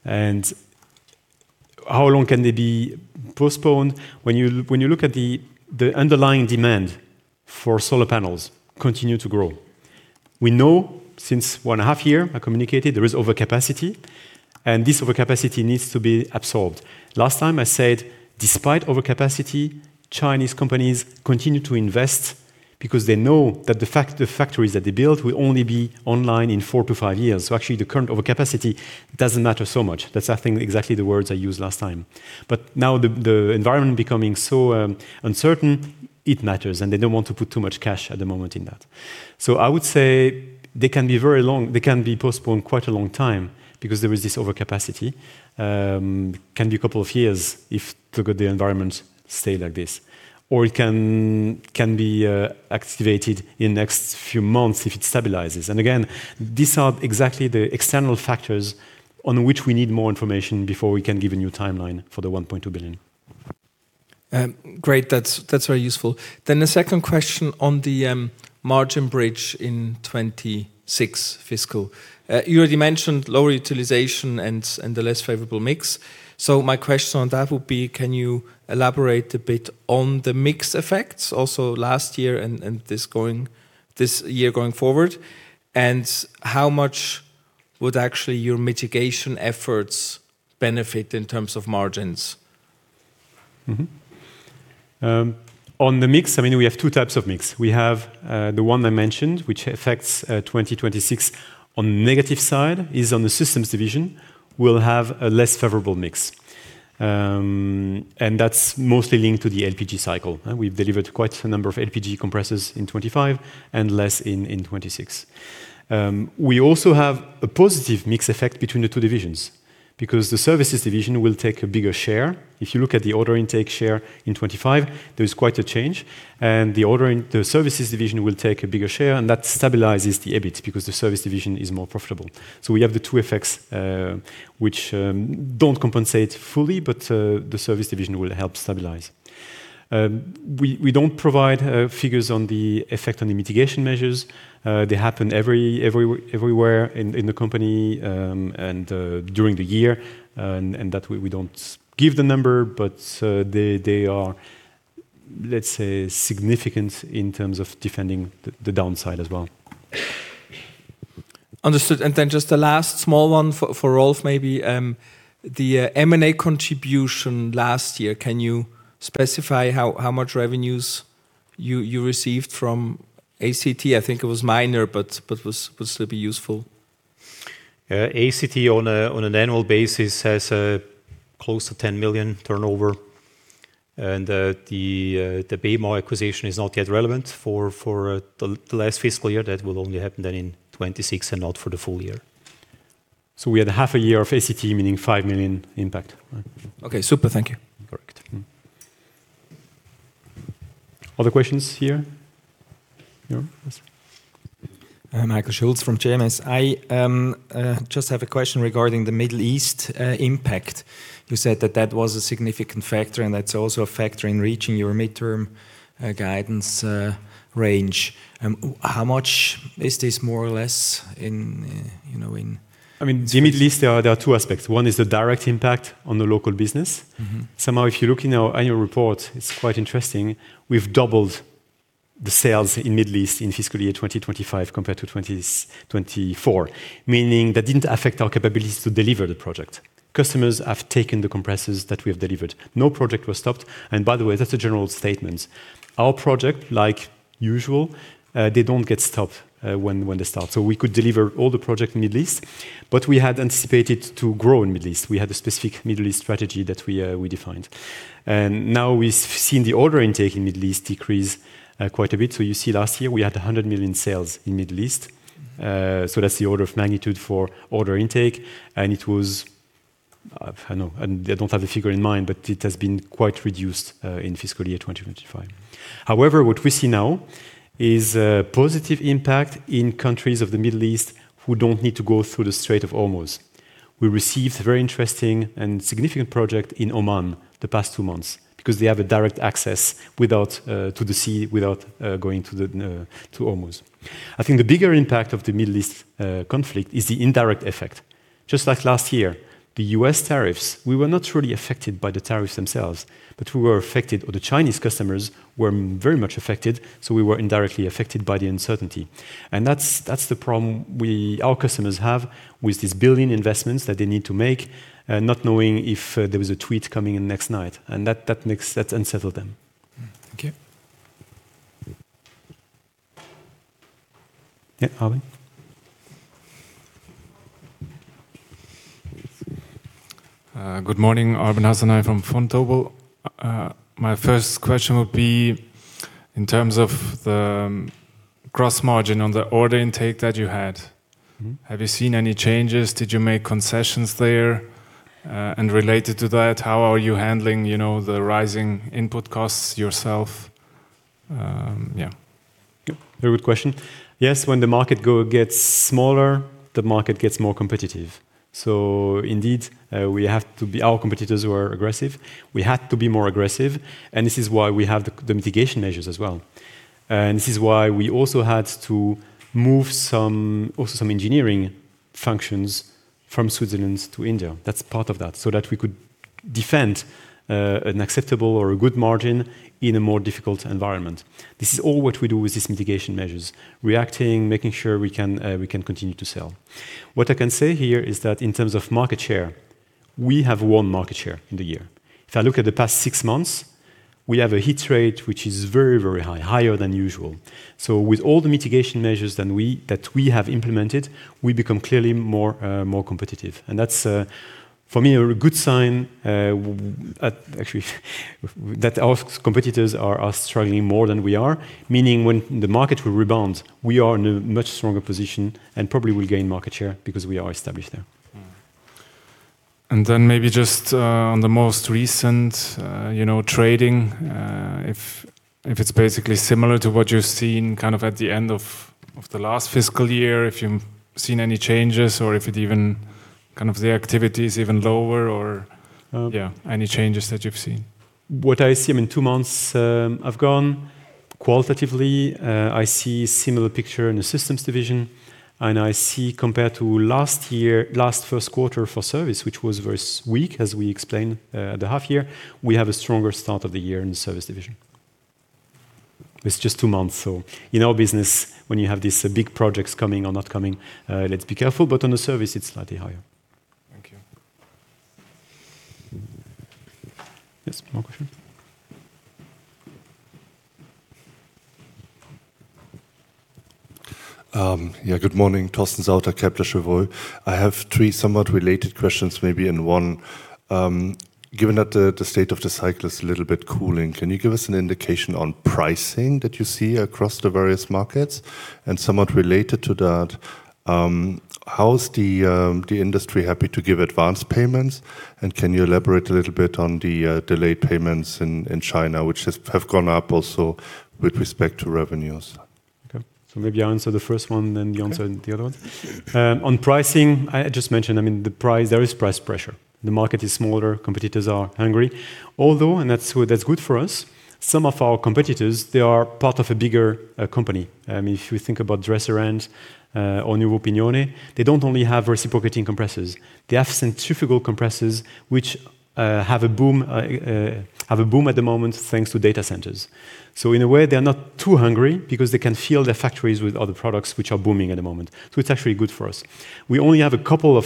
How long can they be postponed? When you look at the underlying demand for solar panels continue to grow. We know since one and a half year, I communicated there is overcapacity, and this overcapacity needs to be absorbed. Last time I said, "Despite overcapacity, Chinese companies continue to invest because they know that the factories that they build will only be online in four to five years. Actually the current overcapacity doesn't matter so much." That's, I think, exactly the words I used last time. Now the environment becoming so uncertain, it matters, and they don't want to put too much cash at the moment in that. I would say they can be postponed quite a long time because there is this overcapacity. Can be a couple of years if the environment stays like this, or it can be activated in next few months if it stabilizes. Again, these are exactly the external factors on which we need more information before we can give a new timeline for the 1.2 billion. Great. That's very useful. The second question on the margin bridge in 2026 fiscal. You already mentioned lower utilization and the less favorable mix. My question on that would be, can you elaborate a bit on the mix effects also last year and this year going forward? How much would actually your mitigation efforts benefit in terms of margins? On the mix, we have two types of mix. We have the one I mentioned, which affects 2026 on negative side, is on the systems division. We'll have a less favorable mix. That's mostly linked to the LPG cycle. We've delivered quite a number of LPG compressors in 2025 and less in 2026. We also have a positive mix effect between the two divisions, because the services division will take a bigger share. If you look at the order intake share in 2025, there is quite a change, and the services division will take a bigger share, and that stabilizes the EBIT because the service division is more profitable. We have the two effects, which don't compensate fully, but the service division will help stabilize. We don't provide figures on the effect on the mitigation measures. They happen everywhere in the company and during the year, and that we don't give the number, but they are, let's say, significant in terms of defending the downside as well. Understood. Just the last small one for Rolf, maybe. The M&A contribution last year, can you specify how much revenues you received from ACT? I think it was minor, but would still be useful. ACT on an annual basis has close to 10 million turnover. The Baymore acquisition is not yet relevant for the last fiscal year. That will only happen then in 2026 and not for the full year. We had half a year of ACT, meaning 5 million impact. Okay. Super. Thank you. Correct. Other questions here? No? Yes. Michael Schulz from JMS. I just have a question regarding the Middle East impact. You said that that was a significant factor, and that's also a factor in reaching your midterm guidance range. How much is this more or less in- In Middle East, there are two aspects. One is the direct impact on the local business. Somehow, if you look in our annual report, it's quite interesting. We've doubled the sales in Middle East in fiscal year 2025 compared to 2024, meaning that didn't affect our capabilities to deliver the project. Customers have taken the compressors that we have delivered. No project was stopped, and by the way, that's a general statement. Our project, like usual, they don't get stopped when they start. We could deliver all the project in Middle East, but we had anticipated to grow in Middle East. We had a specific Middle East strategy that we defined. Now we've seen the order intake in Middle East decrease quite a bit. You see last year we had 100 million sales in Middle East. That's the order of magnitude for order intake, and I don't have the figure in mind, but it has been quite reduced in fiscal year 2025. However, what we see now is a positive impact in countries of the Middle East who don't need to go through the Strait of Hormuz. We received very interesting and significant project in Oman the past two months because they have a direct access to the sea without going to Hormuz. I think the bigger impact of the Middle East conflict is the indirect effect. Just like last year, the U.S. tariffs, we were not really affected by the tariffs themselves, but we were affected, or the Chinese customers were very much affected, so we were indirectly affected by the uncertainty. That's the problem our customers have with these billion investments that they need to make, not knowing if there is a tweet coming in next night. That unsettle them. Okay. Yeah, Arben. Good morning. Arben Hasanaj from Vontobel. My first question would be, in terms of the gross margin on the order intake that you had. Have you seen any changes? Did you make concessions there? Related to that, how are you handling the rising input costs yourself? Yeah. Yep. Very good question. When the market gets smaller, the market gets more competitive. Indeed, our competitors were aggressive. We had to be more aggressive, this is why we have the mitigation measures as well. This is why we also had to move also some engineering functions from Switzerland to India. That's part of that, so that we could defend an acceptable or a good margin in a more difficult environment. This is all what we do with these mitigation measures, reacting, making sure we can continue to sell. What I can say here is that in terms of market share, we have won market share in the year. If I look at the past six months, we have a hit rate, which is very high, higher than usual. With all the mitigation measures that we have implemented, we become clearly more competitive. That's, for me, a good sign, actually, that our competitors are struggling more than we are. Meaning when the market will rebound, we are in a much stronger position and probably will gain market share because we are established there. Maybe just on the most recent trading, if it's basically similar to what you've seen at the end of the last fiscal year, if you've seen any changes or if the activity is even lower or any changes that you've seen? What I assume in two months I've gone qualitatively, I see similar picture in the systems division, and I see compared to last first quarter for service, which was very weak as we explained at the half year, we have a stronger start of the year in the service division. It's just two months, so in our business, when you have these big projects coming or not coming, let's be careful. On the service it's slightly higher. Thank you. Yes. More question. Good morning, Torsten Sauter, Kepler Cheuvreux. I have three somewhat related questions, maybe in one. Given that the state of the cycle is a little bit cooling, can you give us an indication on pricing that you see across the various markets? Somewhat related to that, how's the industry happy to give advanced payments and can you elaborate a little bit on the delayed payments in China which have gone up also with respect to revenues? Okay. Maybe I answer the first one, then you answer the other one. On pricing, I just mentioned, there is price pressure. The market is smaller, competitors are hungry. Although, and that's good for us, some of our competitors, they are part of a bigger company. If we think about Dresser-Rand or Neuman & Esser, they don't only have reciprocating compressors. They have centrifugal compressors which have a boom at the moment thanks to data centers. In a way, they are not too hungry because they can fill their factories with other products which are booming at the moment. It's actually good for us. We only have a couple of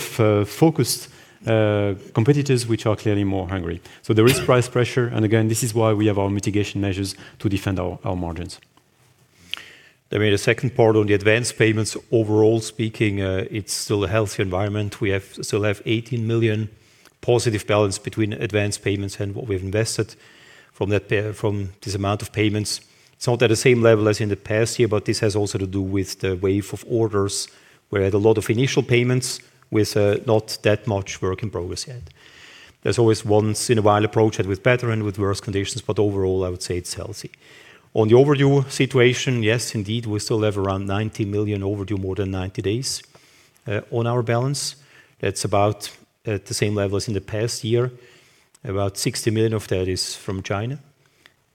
focused competitors which are clearly more hungry. There is price pressure, and again, this is why we have our mitigation measures to defend our margins. I mean, the second part on the advanced payments, overall speaking, it is still a healthy environment. We still have 18 million positive balance between advanced payments and what we have invested from this amount of payments. It is not at the same level as in the past year. This has also to do with the wave of orders where we had a lot of initial payments with not that much work in progress yet. There is always once in a while approach had with better and with worse conditions. Overall, I would say it is healthy. On the overdue situation, yes indeed, we still have around 90 million overdue more than 90 days on our balance. That is about at the same level as in the past year. About 60 million of that is from China.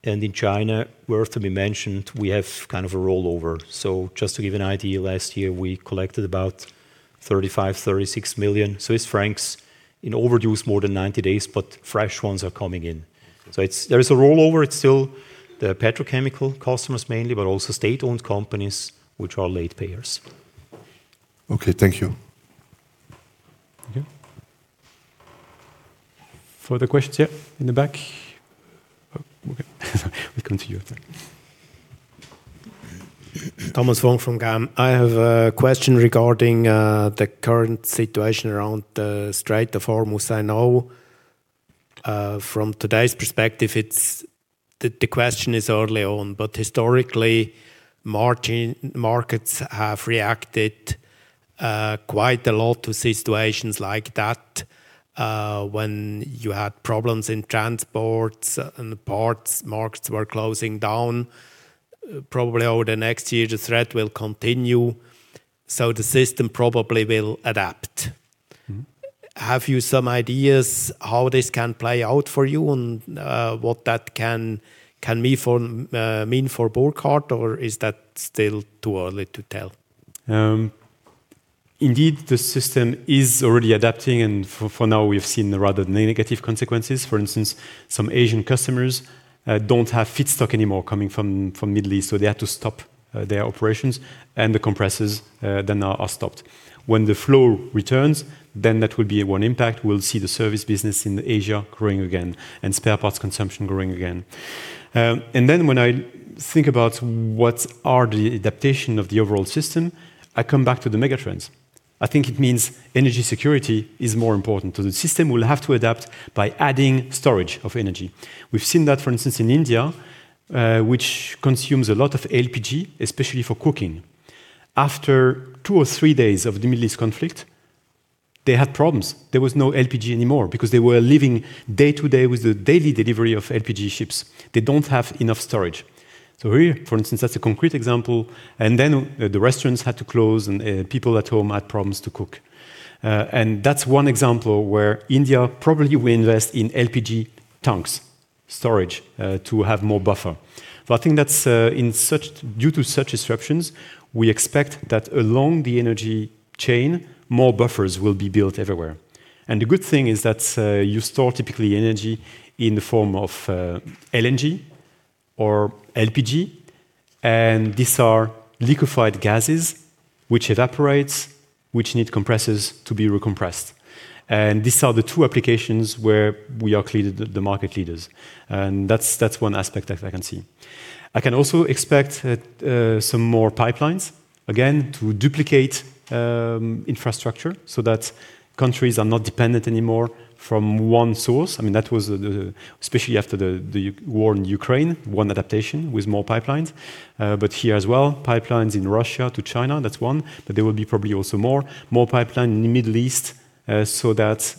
In China, worth to be mentioned, we have kind of a rollover. Just to give an idea, last year we collected about 35 million Swiss francs- 36 million Swiss francs in overdues more than 90 days, but fresh ones are coming in. There is a rollover. It's still the petrochemical customers mainly, but also state-owned companies which are late payers. Okay. Thank you. Okay. Further questions? Yeah, in the back. Okay, we continue then. Thomas Wong from GAM. I have a question regarding the current situation around the Strait of Hormuz. I know from today's perspective, the question is early on, but historically, markets have reacted quite a lot to situations like that when you had problems in transports and ports, markets were closing down. Probably over the next year the threat will continue, so the system probably will adapt. Have you some ideas how this can play out for you and what that can mean for Burckhardt or is that still too early to tell? Indeed, the system is already adapting and for now we've seen rather negative consequences. For instance, some Asian customers don't have feedstock anymore coming from the Middle East, so they had to stop their operations and the compressors then are stopped. When the flow returns, that will be one impact. We'll see the service business in Asia growing again and spare parts consumption growing again. When I think about what are the adaptation of the overall system, I come back to the megatrends. I think it means energy security is more important. The system will have to adapt by adding storage of energy. We've seen that, for instance in India, which consumes a lot of LPG especially for cooking. After two or three days of the Middle East conflict, they had problems. There was no LPG anymore because they were living day to day with the daily delivery of LPG ships. They don't have enough storage. Here, for instance, that's a concrete example. Then the restaurants had to close and people at home had problems to cook. That's one example where India probably will invest in LPG tanks storage to have more buffer. I think that due to such disruptions, we expect that along the energy chain, more buffers will be built everywhere. The good thing is that you store typically energy in the form of LNG or LPG, and these are liquefied gases which evaporates, which need compressors to be recompressed. These are the two applications where we are clearly the market leaders. That's one aspect I can see. I can also expect some more pipelines, again, to duplicate infrastructure so that countries are not dependent anymore from one source. Especially after the war in Ukraine, one adaptation was more pipelines. Here as well, pipelines in Russia to China, that's one. There will be probably also more. More pipeline in the Middle East, that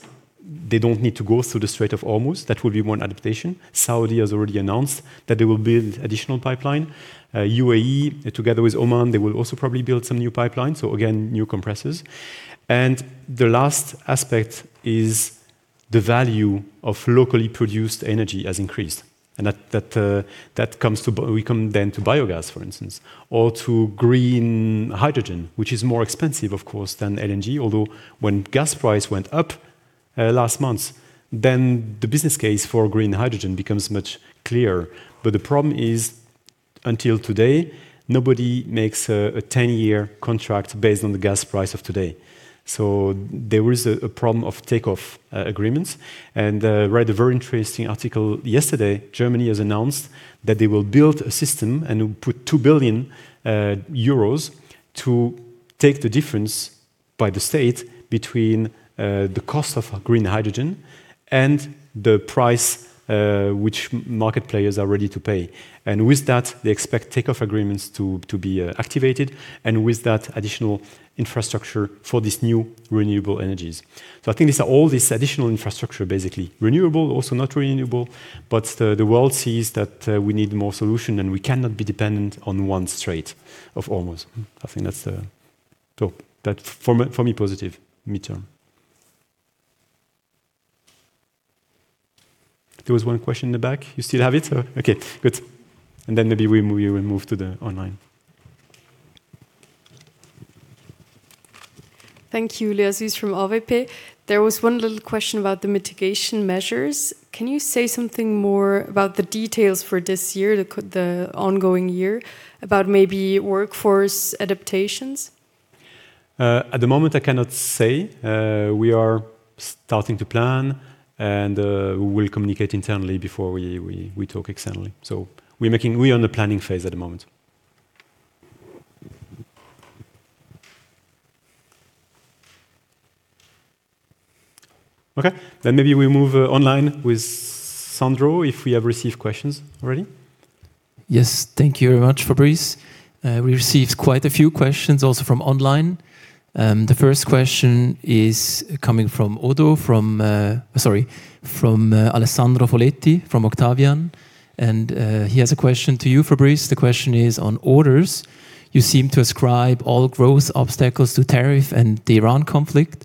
they don't need to go through the Strait of Hormuz. That will be one adaptation. Saudi has already announced that they will build additional pipeline. UAE, together with Oman, they will also probably build some new pipelines. Again, new compressors. The last aspect is the value of locally produced energy has increased, and we come then to biogas, for instance, or to green hydrogen, which is more expensive, of course, than LNG. Although when gas price went up last month, then the business case for green hydrogen becomes much clearer. The problem is, until today, nobody makes a 10-year contract based on the gas price of today. Read a very interesting article yesterday. Germany has announced that they will build a system and put 2 billion euros to take the difference by the state between the cost of green hydrogen and the price which market players are ready to pay. With that, they expect takeoff agreements to be activated, and with that, additional infrastructure for these new renewable energies. I think these are all this additional infrastructure, basically renewable, also not renewable, but the world sees that we need more solution, and we cannot be dependent on one Strait of Hormuz. I think that's the top. That for me, positive midterm. There was one question in the back. You still have it? Okay, good. Maybe we will move to the online. Thank you. Louise from AWP. There was one little question about the mitigation measures. Can you say something more about the details for this year, the ongoing year, about maybe workforce adaptations? At the moment, I cannot say. We are starting to plan, and we will communicate internally before we talk externally. We are in the planning phase at the moment. Okay. Maybe we move online with Sandro, if we have received questions already. Yes. Thank you very much, Fabrice. We received quite a few questions also from online. The first question is coming from Oddo. Sorry, from Alessandro Foletti, from Octavian. He has a question to you, Fabrice. The question is on orders. You seem to ascribe all growth obstacles to tariff and the Iran conflict.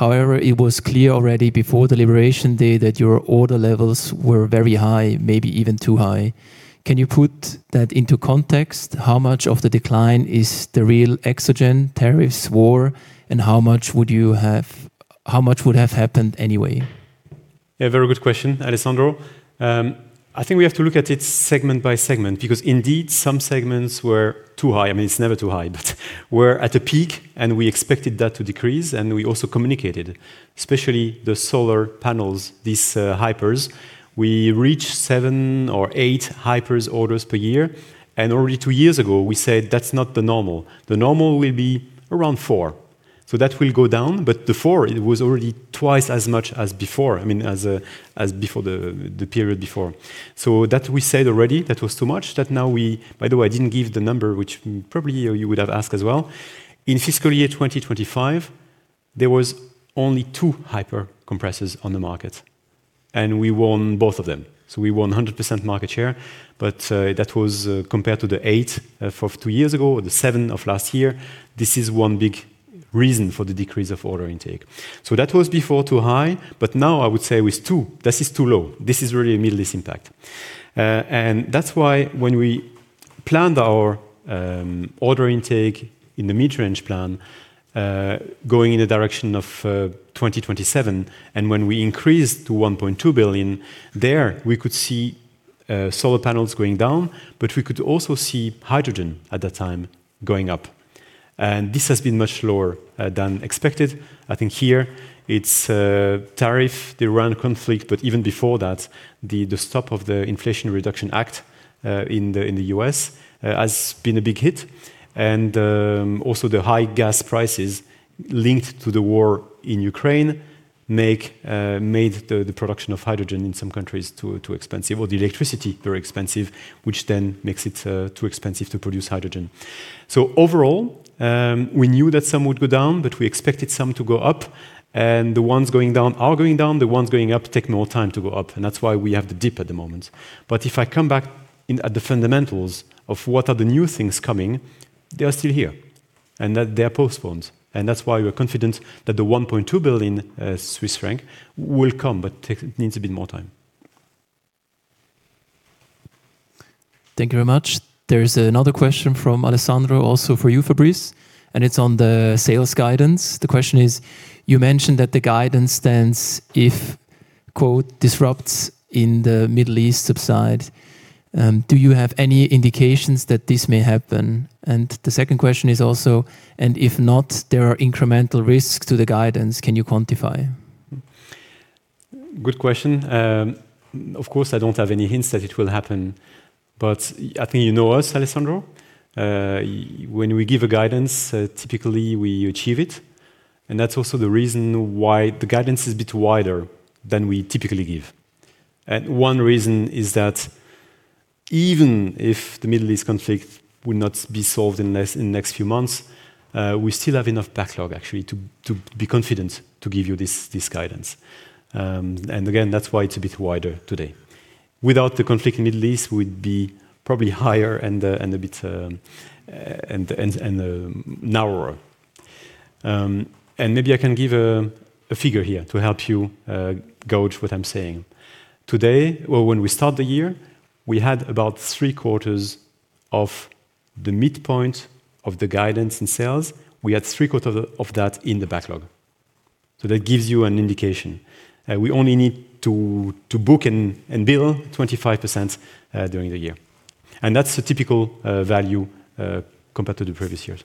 It was clear already before the Liberation Day that your order levels were very high, maybe even too high. Can you put that into context? How much of the decline is the real exogenous tariffs war, and how much would have happened anyway? Yeah. Very good question, Alessandro. I think we have to look at it segment by segment, because indeed, some segments were too high. It is never too high, but were at a peak and we expected that to decrease, and we also communicated, especially the solar panels, these hypers. We reached seven or eight hypers orders per year, and already two years ago, we said, "That is not the normal. The normal will be around four." That will go down, but the four, it was already twice as much as the period before. That we said already, that was too much. By the way, I did not give the number, which probably you would have asked as well. In FY 2025, there was only two hyper compressors on the market, and we won both of them. We won 100% market share, but that was compared to the eight of two years ago or the seven of last year. This is one big reason for the decrease of order intake. That was before too high, now I would say with two, this is too low. This is really a Middle East impact. That's why when we planned our order intake in the mid-range plan, going in the direction of 2027, when we increased to 1.2 billion, there we could see solar panels going down, but we could also see hydrogen at that time going up. This has been much lower than expected. I think here it's tariff, the Iran conflict, but even before that, the stop of the Inflation Reduction Act in the U.S. has been a big hit, and also the high gas prices linked to the war in Ukraine made the production of hydrogen in some countries too expensive, or the electricity very expensive, which then makes it too expensive to produce hydrogen. Overall, we knew that some would go down, but we expected some to go up, and the ones going down are going down. The ones going up take more time to go up, and that's why we have the dip at the moment. If I come back at the fundamentals of what are the new things coming, they are still here. They are postponed. That's why we're confident that the 1.2 billion Swiss franc will come, but it needs a bit more time. Thank you very much. There is another question from Alessandro also for you, Fabrice. It is on the sales guidance. The question is, you mentioned that the guidance stands if, quote, "disrupts in the Middle East subside." Do you have any indications that this may happen? The second question is also, if not, there are incremental risks to the guidance. Can you quantify? Good question. Of course, I don't have any hints that it will happen, but I think you know us, Alessandro. When we give a guidance, typically, we achieve it. That's also the reason why the guidance is a bit wider than we typically give. One reason is that even if the Middle East conflict will not be solved in the next few months, we still have enough backlog, actually, to be confident to give you this guidance. Again, that's why it's a bit wider today. Without the conflict in Middle East, we'd be probably higher and a bit narrower. Maybe I can give a figure here to help you gauge what I'm saying. Today, well, when we start the year, we had about three-quarters of the midpoint of the guidance in sales. We had three-quarters of that in the backlog. That gives you an indication. We only need to book and bill 25% during the year. That's the typical value compared to the previous years.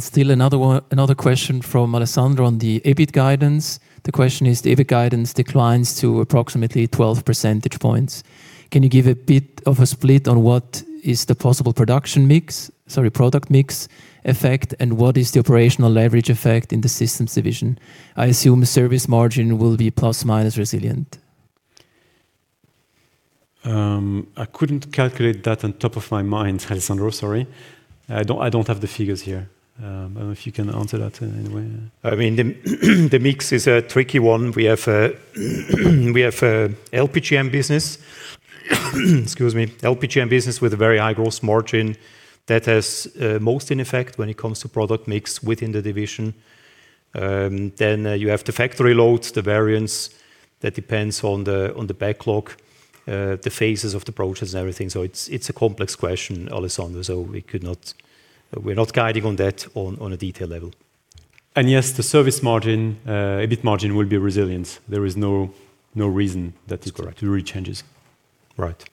Still another question from Alessandro on the EBIT guidance. The question is, the EBIT guidance declines to approximately 12 percentage points. Can you give a bit of a split on what is the possible production mix, product mix effect, and what is the operational leverage effect in the systems division? I assume service margin will be plus-minus resilient. I couldn't calculate that on top of my mind, Alessandro, sorry. I don't have the figures here. I don't know if you can answer that in any way. The mix is a tricky one. We have LPGM business with a very high gross margin that has most in effect when it comes to product mix within the division. You have the factory loads, the variance that depends on the backlog, the phases of the process and everything. It's a complex question, Alessandro, so we're not guiding on that on a detail level. Yes, the service margin, EBIT margin will be resilient. There is no reason that it really changes. That's correct.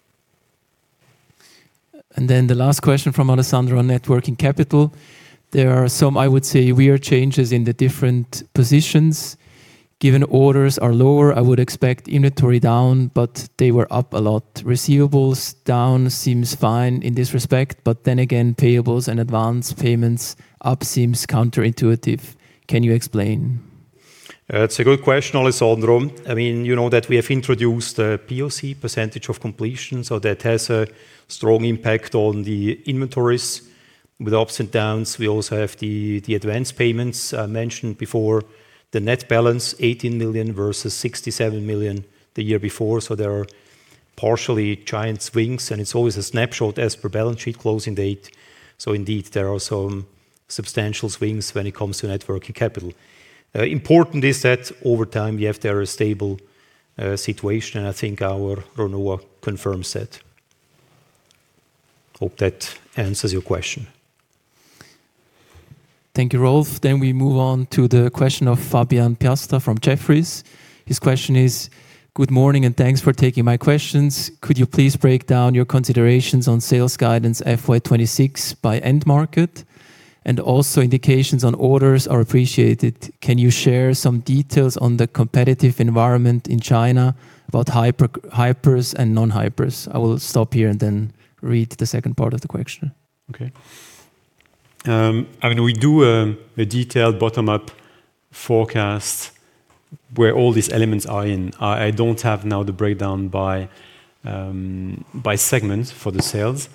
Right. The last question from Alessandro on net working capital. There are some, I would say, weird changes in the different positions. Given orders are lower, I would expect inventory down, but they were up a lot. Receivables down seems fine in this respect, but then again, payables and advance payments up seems counterintuitive. Can you explain? It's a good question, Alessandro. You know that we have introduced a POC, percentage of completion, so that has a strong impact on the inventories. With ups and downs, we also have the advance payments I mentioned before, the net balance, 18 million versus 67 million the year before, so there are partially giant swings, and it's always a snapshot as per balance sheet closing date. Indeed, there are some substantial swings when it comes to net working capital. Important is that over time, we have there a stable situation, and I think our run rate confirms that. Hope that answers your question. Thank you, Rolf. We move on to the question of Fabian Piasta from Jefferies. His question is: Good morning, and thanks for taking my questions. Could you please break down your considerations on sales guidance FY 2026 by end market? Also indications on orders are appreciated. Can you share some details on the competitive environment in China about hypers and non-hypers? I will stop here and then read the second part of the question. Okay. We do a detailed bottom-up forecast where all these elements are in. I don't have now the breakdown by segment for the sales.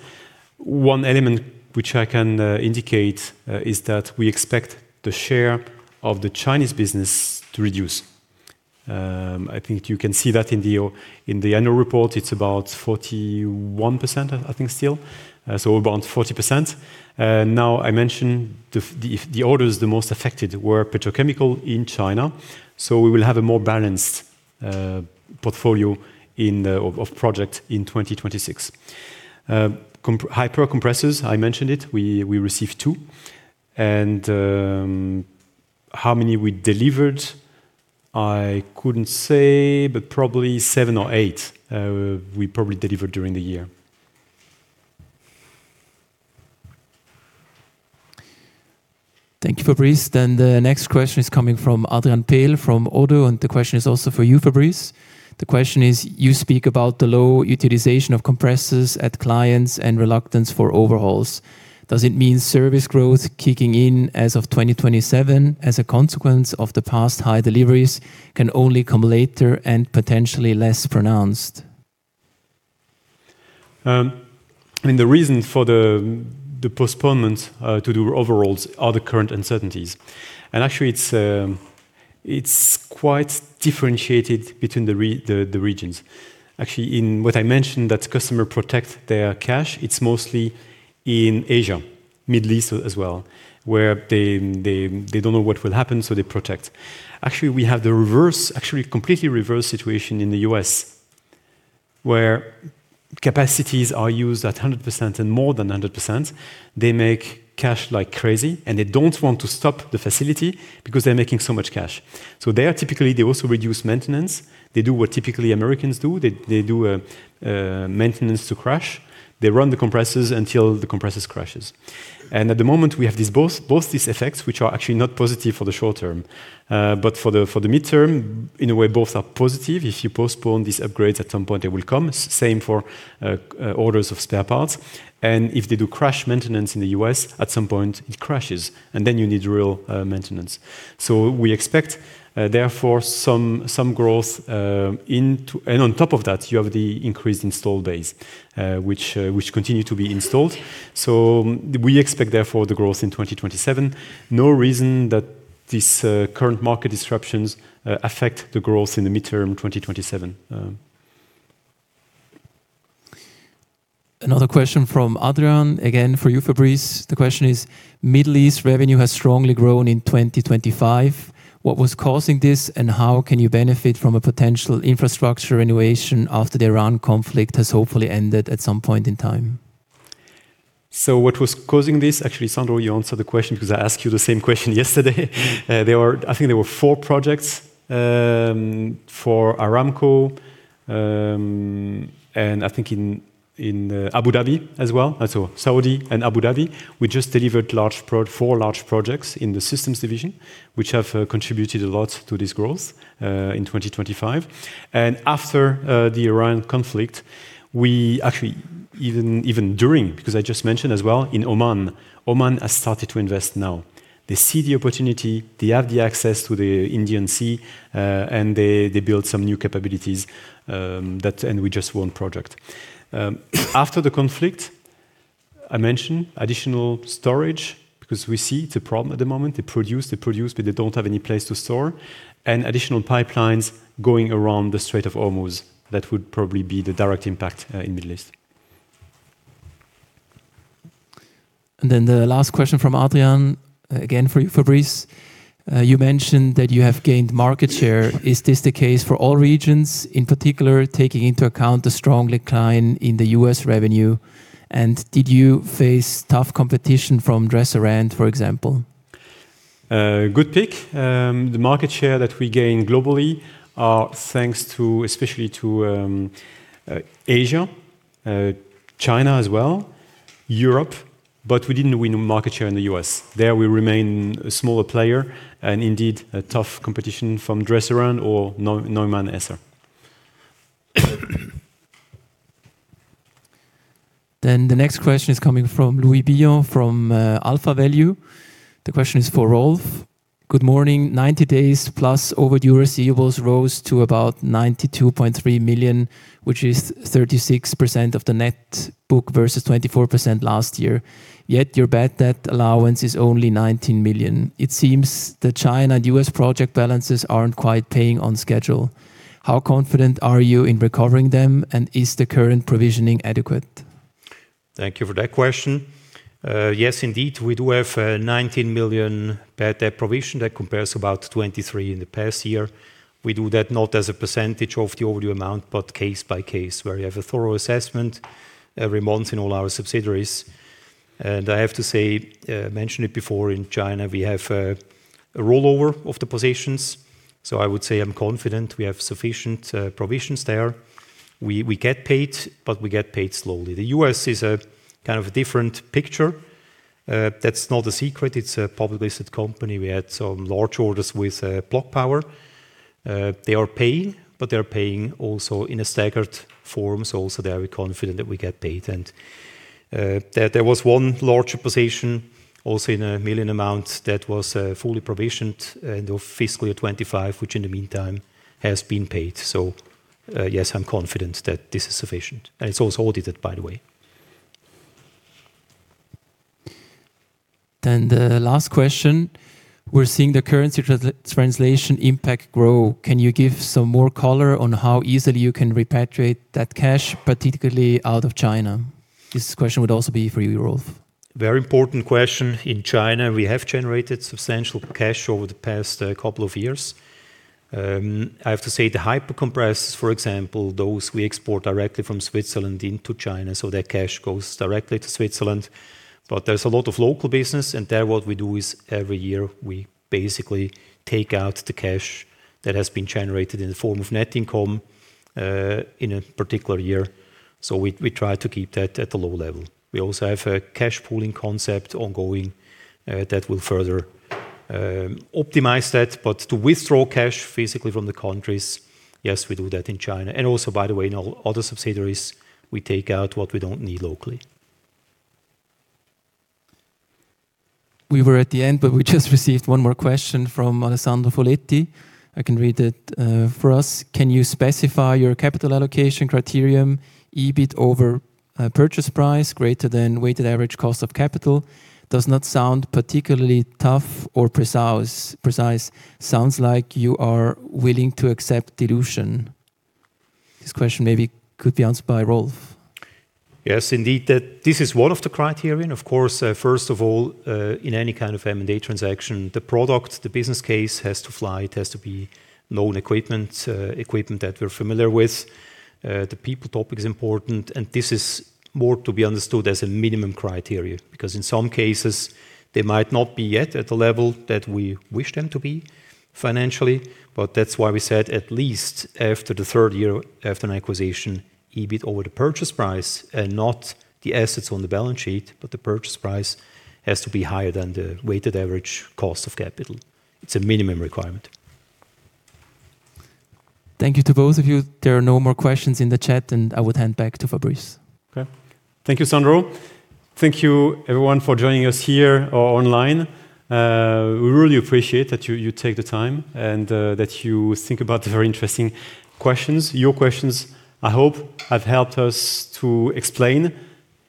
One element which I can indicate is that we expect the share of the Chinese business to reduce. I think you can see that in the annual report. It's about 41%, I think, still. Above 40%. Now, I mentioned the orders, the most affected were petrochemical in China, so we will have a more balanced portfolio of project in 2026. hyper compressors, I mentioned it, we received two. How many we delivered, I couldn't say, but probably seven or eight we probably delivered during the year. Thank you, Fabrice. The next question is coming from Adrian Pehl from ODDO, and the question is also for you, Fabrice. The question is: You speak about the low utilization of compressors at clients and reluctance for overhauls. Does it mean service growth kicking in as of 2027 as a consequence of the past high deliveries can only come later and potentially less pronounced? The reason for the postponement to do overhauls are the current uncertainties. Actually, it's quite differentiated between the regions. Actually, in what I mentioned that customer protect their cash, it's mostly in Asia, Middle East as well, where they don't know what will happen, so they protect. Actually, we have the reverse, actually completely reverse situation in the U.S., where capacities are used at 100% and more than 100%. They make cash like crazy, they don't want to stop the facility because they're making so much cash. They are typically, they also reduce maintenance. They do what typically Americans do. They do a maintenance to crash. They run the compressors until the compressors crashes. At the moment, we have both these effects, which are actually not positive for the short term. For the midterm, in a way, both are positive. If you postpone these upgrades, at some point, they will come. Same for orders of spare parts. If they do crash maintenance in the U.S., at some point, it crashes, and then you need real maintenance. We expect, therefore, some growth. On top of that, you have the increased install base, which continue to be installed. We expect, therefore, the growth in 2027. No reason that these current market disruptions affect the growth in the midterm 2027. Another question from Adrian, again for you, Fabrice. The question is: Middle East revenue has strongly grown in 2025. What was causing this, and how can you benefit from a potential infrastructure renovation after the Iran conflict has hopefully ended at some point in time? What was causing this, actually, Sandro, you answered the question because I asked you the same question yesterday. I think there were four projects for Aramco, and I think in Abu Dhabi as well. Saudi and Abu Dhabi. We just delivered four large projects in the systems division, which have contributed a lot to this growth in 2025. After the Iran conflict, we actually even during, because I just mentioned as well, in Oman. Oman has started to invest now. They see the opportunity. They have the access to the Indian Ocean, and they build some new capabilities, and we just won project. After the conflict, I mentioned additional storage because we see it's a problem at the moment. They produce, but they don't have any place to store, and additional pipelines going around the Strait of Hormuz. That would probably be the direct impact in Middle East. The last question from Adrian, again for Fabrice. You mentioned that you have gained market share. Is this the case for all regions, in particular, taking into account the strong decline in the U.S. revenue? Did you face tough competition from Dresser-Rand, for example? Good pick. The market share that we gain globally are thanks especially to Asia, China as well, Europe. We didn't win market share in the U.S. There we remain a smaller player and indeed a tough competition from Dresser-Rand or Neuman & Esser. The next question is coming from Louis Billon from AlphaValue. The question is for Rolf. Good morning. 90 days plus overdue receivables rose to about 92.3 million, which is 36% of the net book versus 24% last year. Yet your bad debt allowance is only 19 million. It seems that China and U.S. project balances aren't quite paying on schedule. How confident are you in recovering them, and is the current provisioning adequate? Thank you for that question. Yes, indeed. We do have a 19 million bad debt provision that compares to about 23 million in the past year. We do that not as a percentage of the overdue amount, but case by case, where we have a thorough assessment every month in all our subsidiaries. I have to say, I mentioned it before, in China, we have a rollover of the positions. I would say I'm confident we have sufficient provisions there. We get paid, but we get paid slowly. The U.S. is a kind of different picture. That's not a secret. It's a publicly listed company. We had some large orders with Bloom Energy. They are paying, but they're paying also in a staggered form, also there we're confident that we get paid. There was one larger position also in a million amounts that was fully provisioned end of FY 2025, which in the meantime has been paid. Yes, I'm confident that this is sufficient. It's also audited, by the way. The last question. We're seeing the currency translation impact grow. Can you give some more color on how easily you can repatriate that cash, particularly out of China? This question would also be for you, Rolf. Very important question. In China, we have generated substantial cash over the past couple of years. I have to say, the hyper compress, for example, those we export directly from Switzerland into China, so that cash goes directly to Switzerland. There's a lot of local business. There what we do is every year we basically take out the cash that has been generated in the form of net income in a particular year. We try to keep that at a low level. We also have a cash pooling concept ongoing that will further optimize that. To withdraw cash physically from the countries, yes, we do that in China. Also, by the way, in all other subsidiaries, we take out what we don't need locally. We were at the end. We just received one more question from Alessandro Foletti. I can read it for us. Can you specify your capital allocation criterion, EBIT over purchase price greater than weighted average cost of capital? Does not sound particularly tough or precise. Sounds like you are willing to accept dilution. This question maybe could be answered by Rolf. Yes, indeed. This is one of the criterion. Of course, first of all, in any kind of M&A transaction, the product, the business case has to fly. It has to be known equipment that we're familiar with. The people topic is important, and this is more to be understood as a minimum criteria because in some cases, they might not be yet at the level that we wish them to be financially. That's why we said at least after the third year after an acquisition, EBIT over the purchase price and not the assets on the balance sheet, but the purchase price has to be higher than the weighted average cost of capital. It's a minimum requirement. Thank you to both of you. There are no more questions in the chat. I would hand back to Fabrice. Okay. Thank you, Sandro. Thank you everyone for joining us here or online. We really appreciate that you take the time and that you think about the very interesting questions. Your questions, I hope, have helped us to explain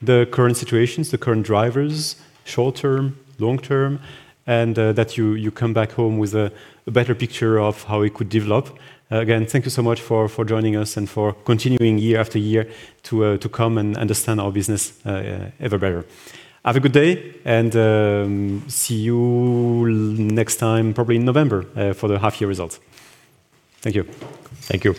the current situations, the current drivers, short term, long term, and that you come back home with a better picture of how we could develop. Again, thank you so much for joining us and for continuing year after year to come and understand our business ever better. Have a good day, and see you next time probably in November for the half-year results. Thank you. Thank you.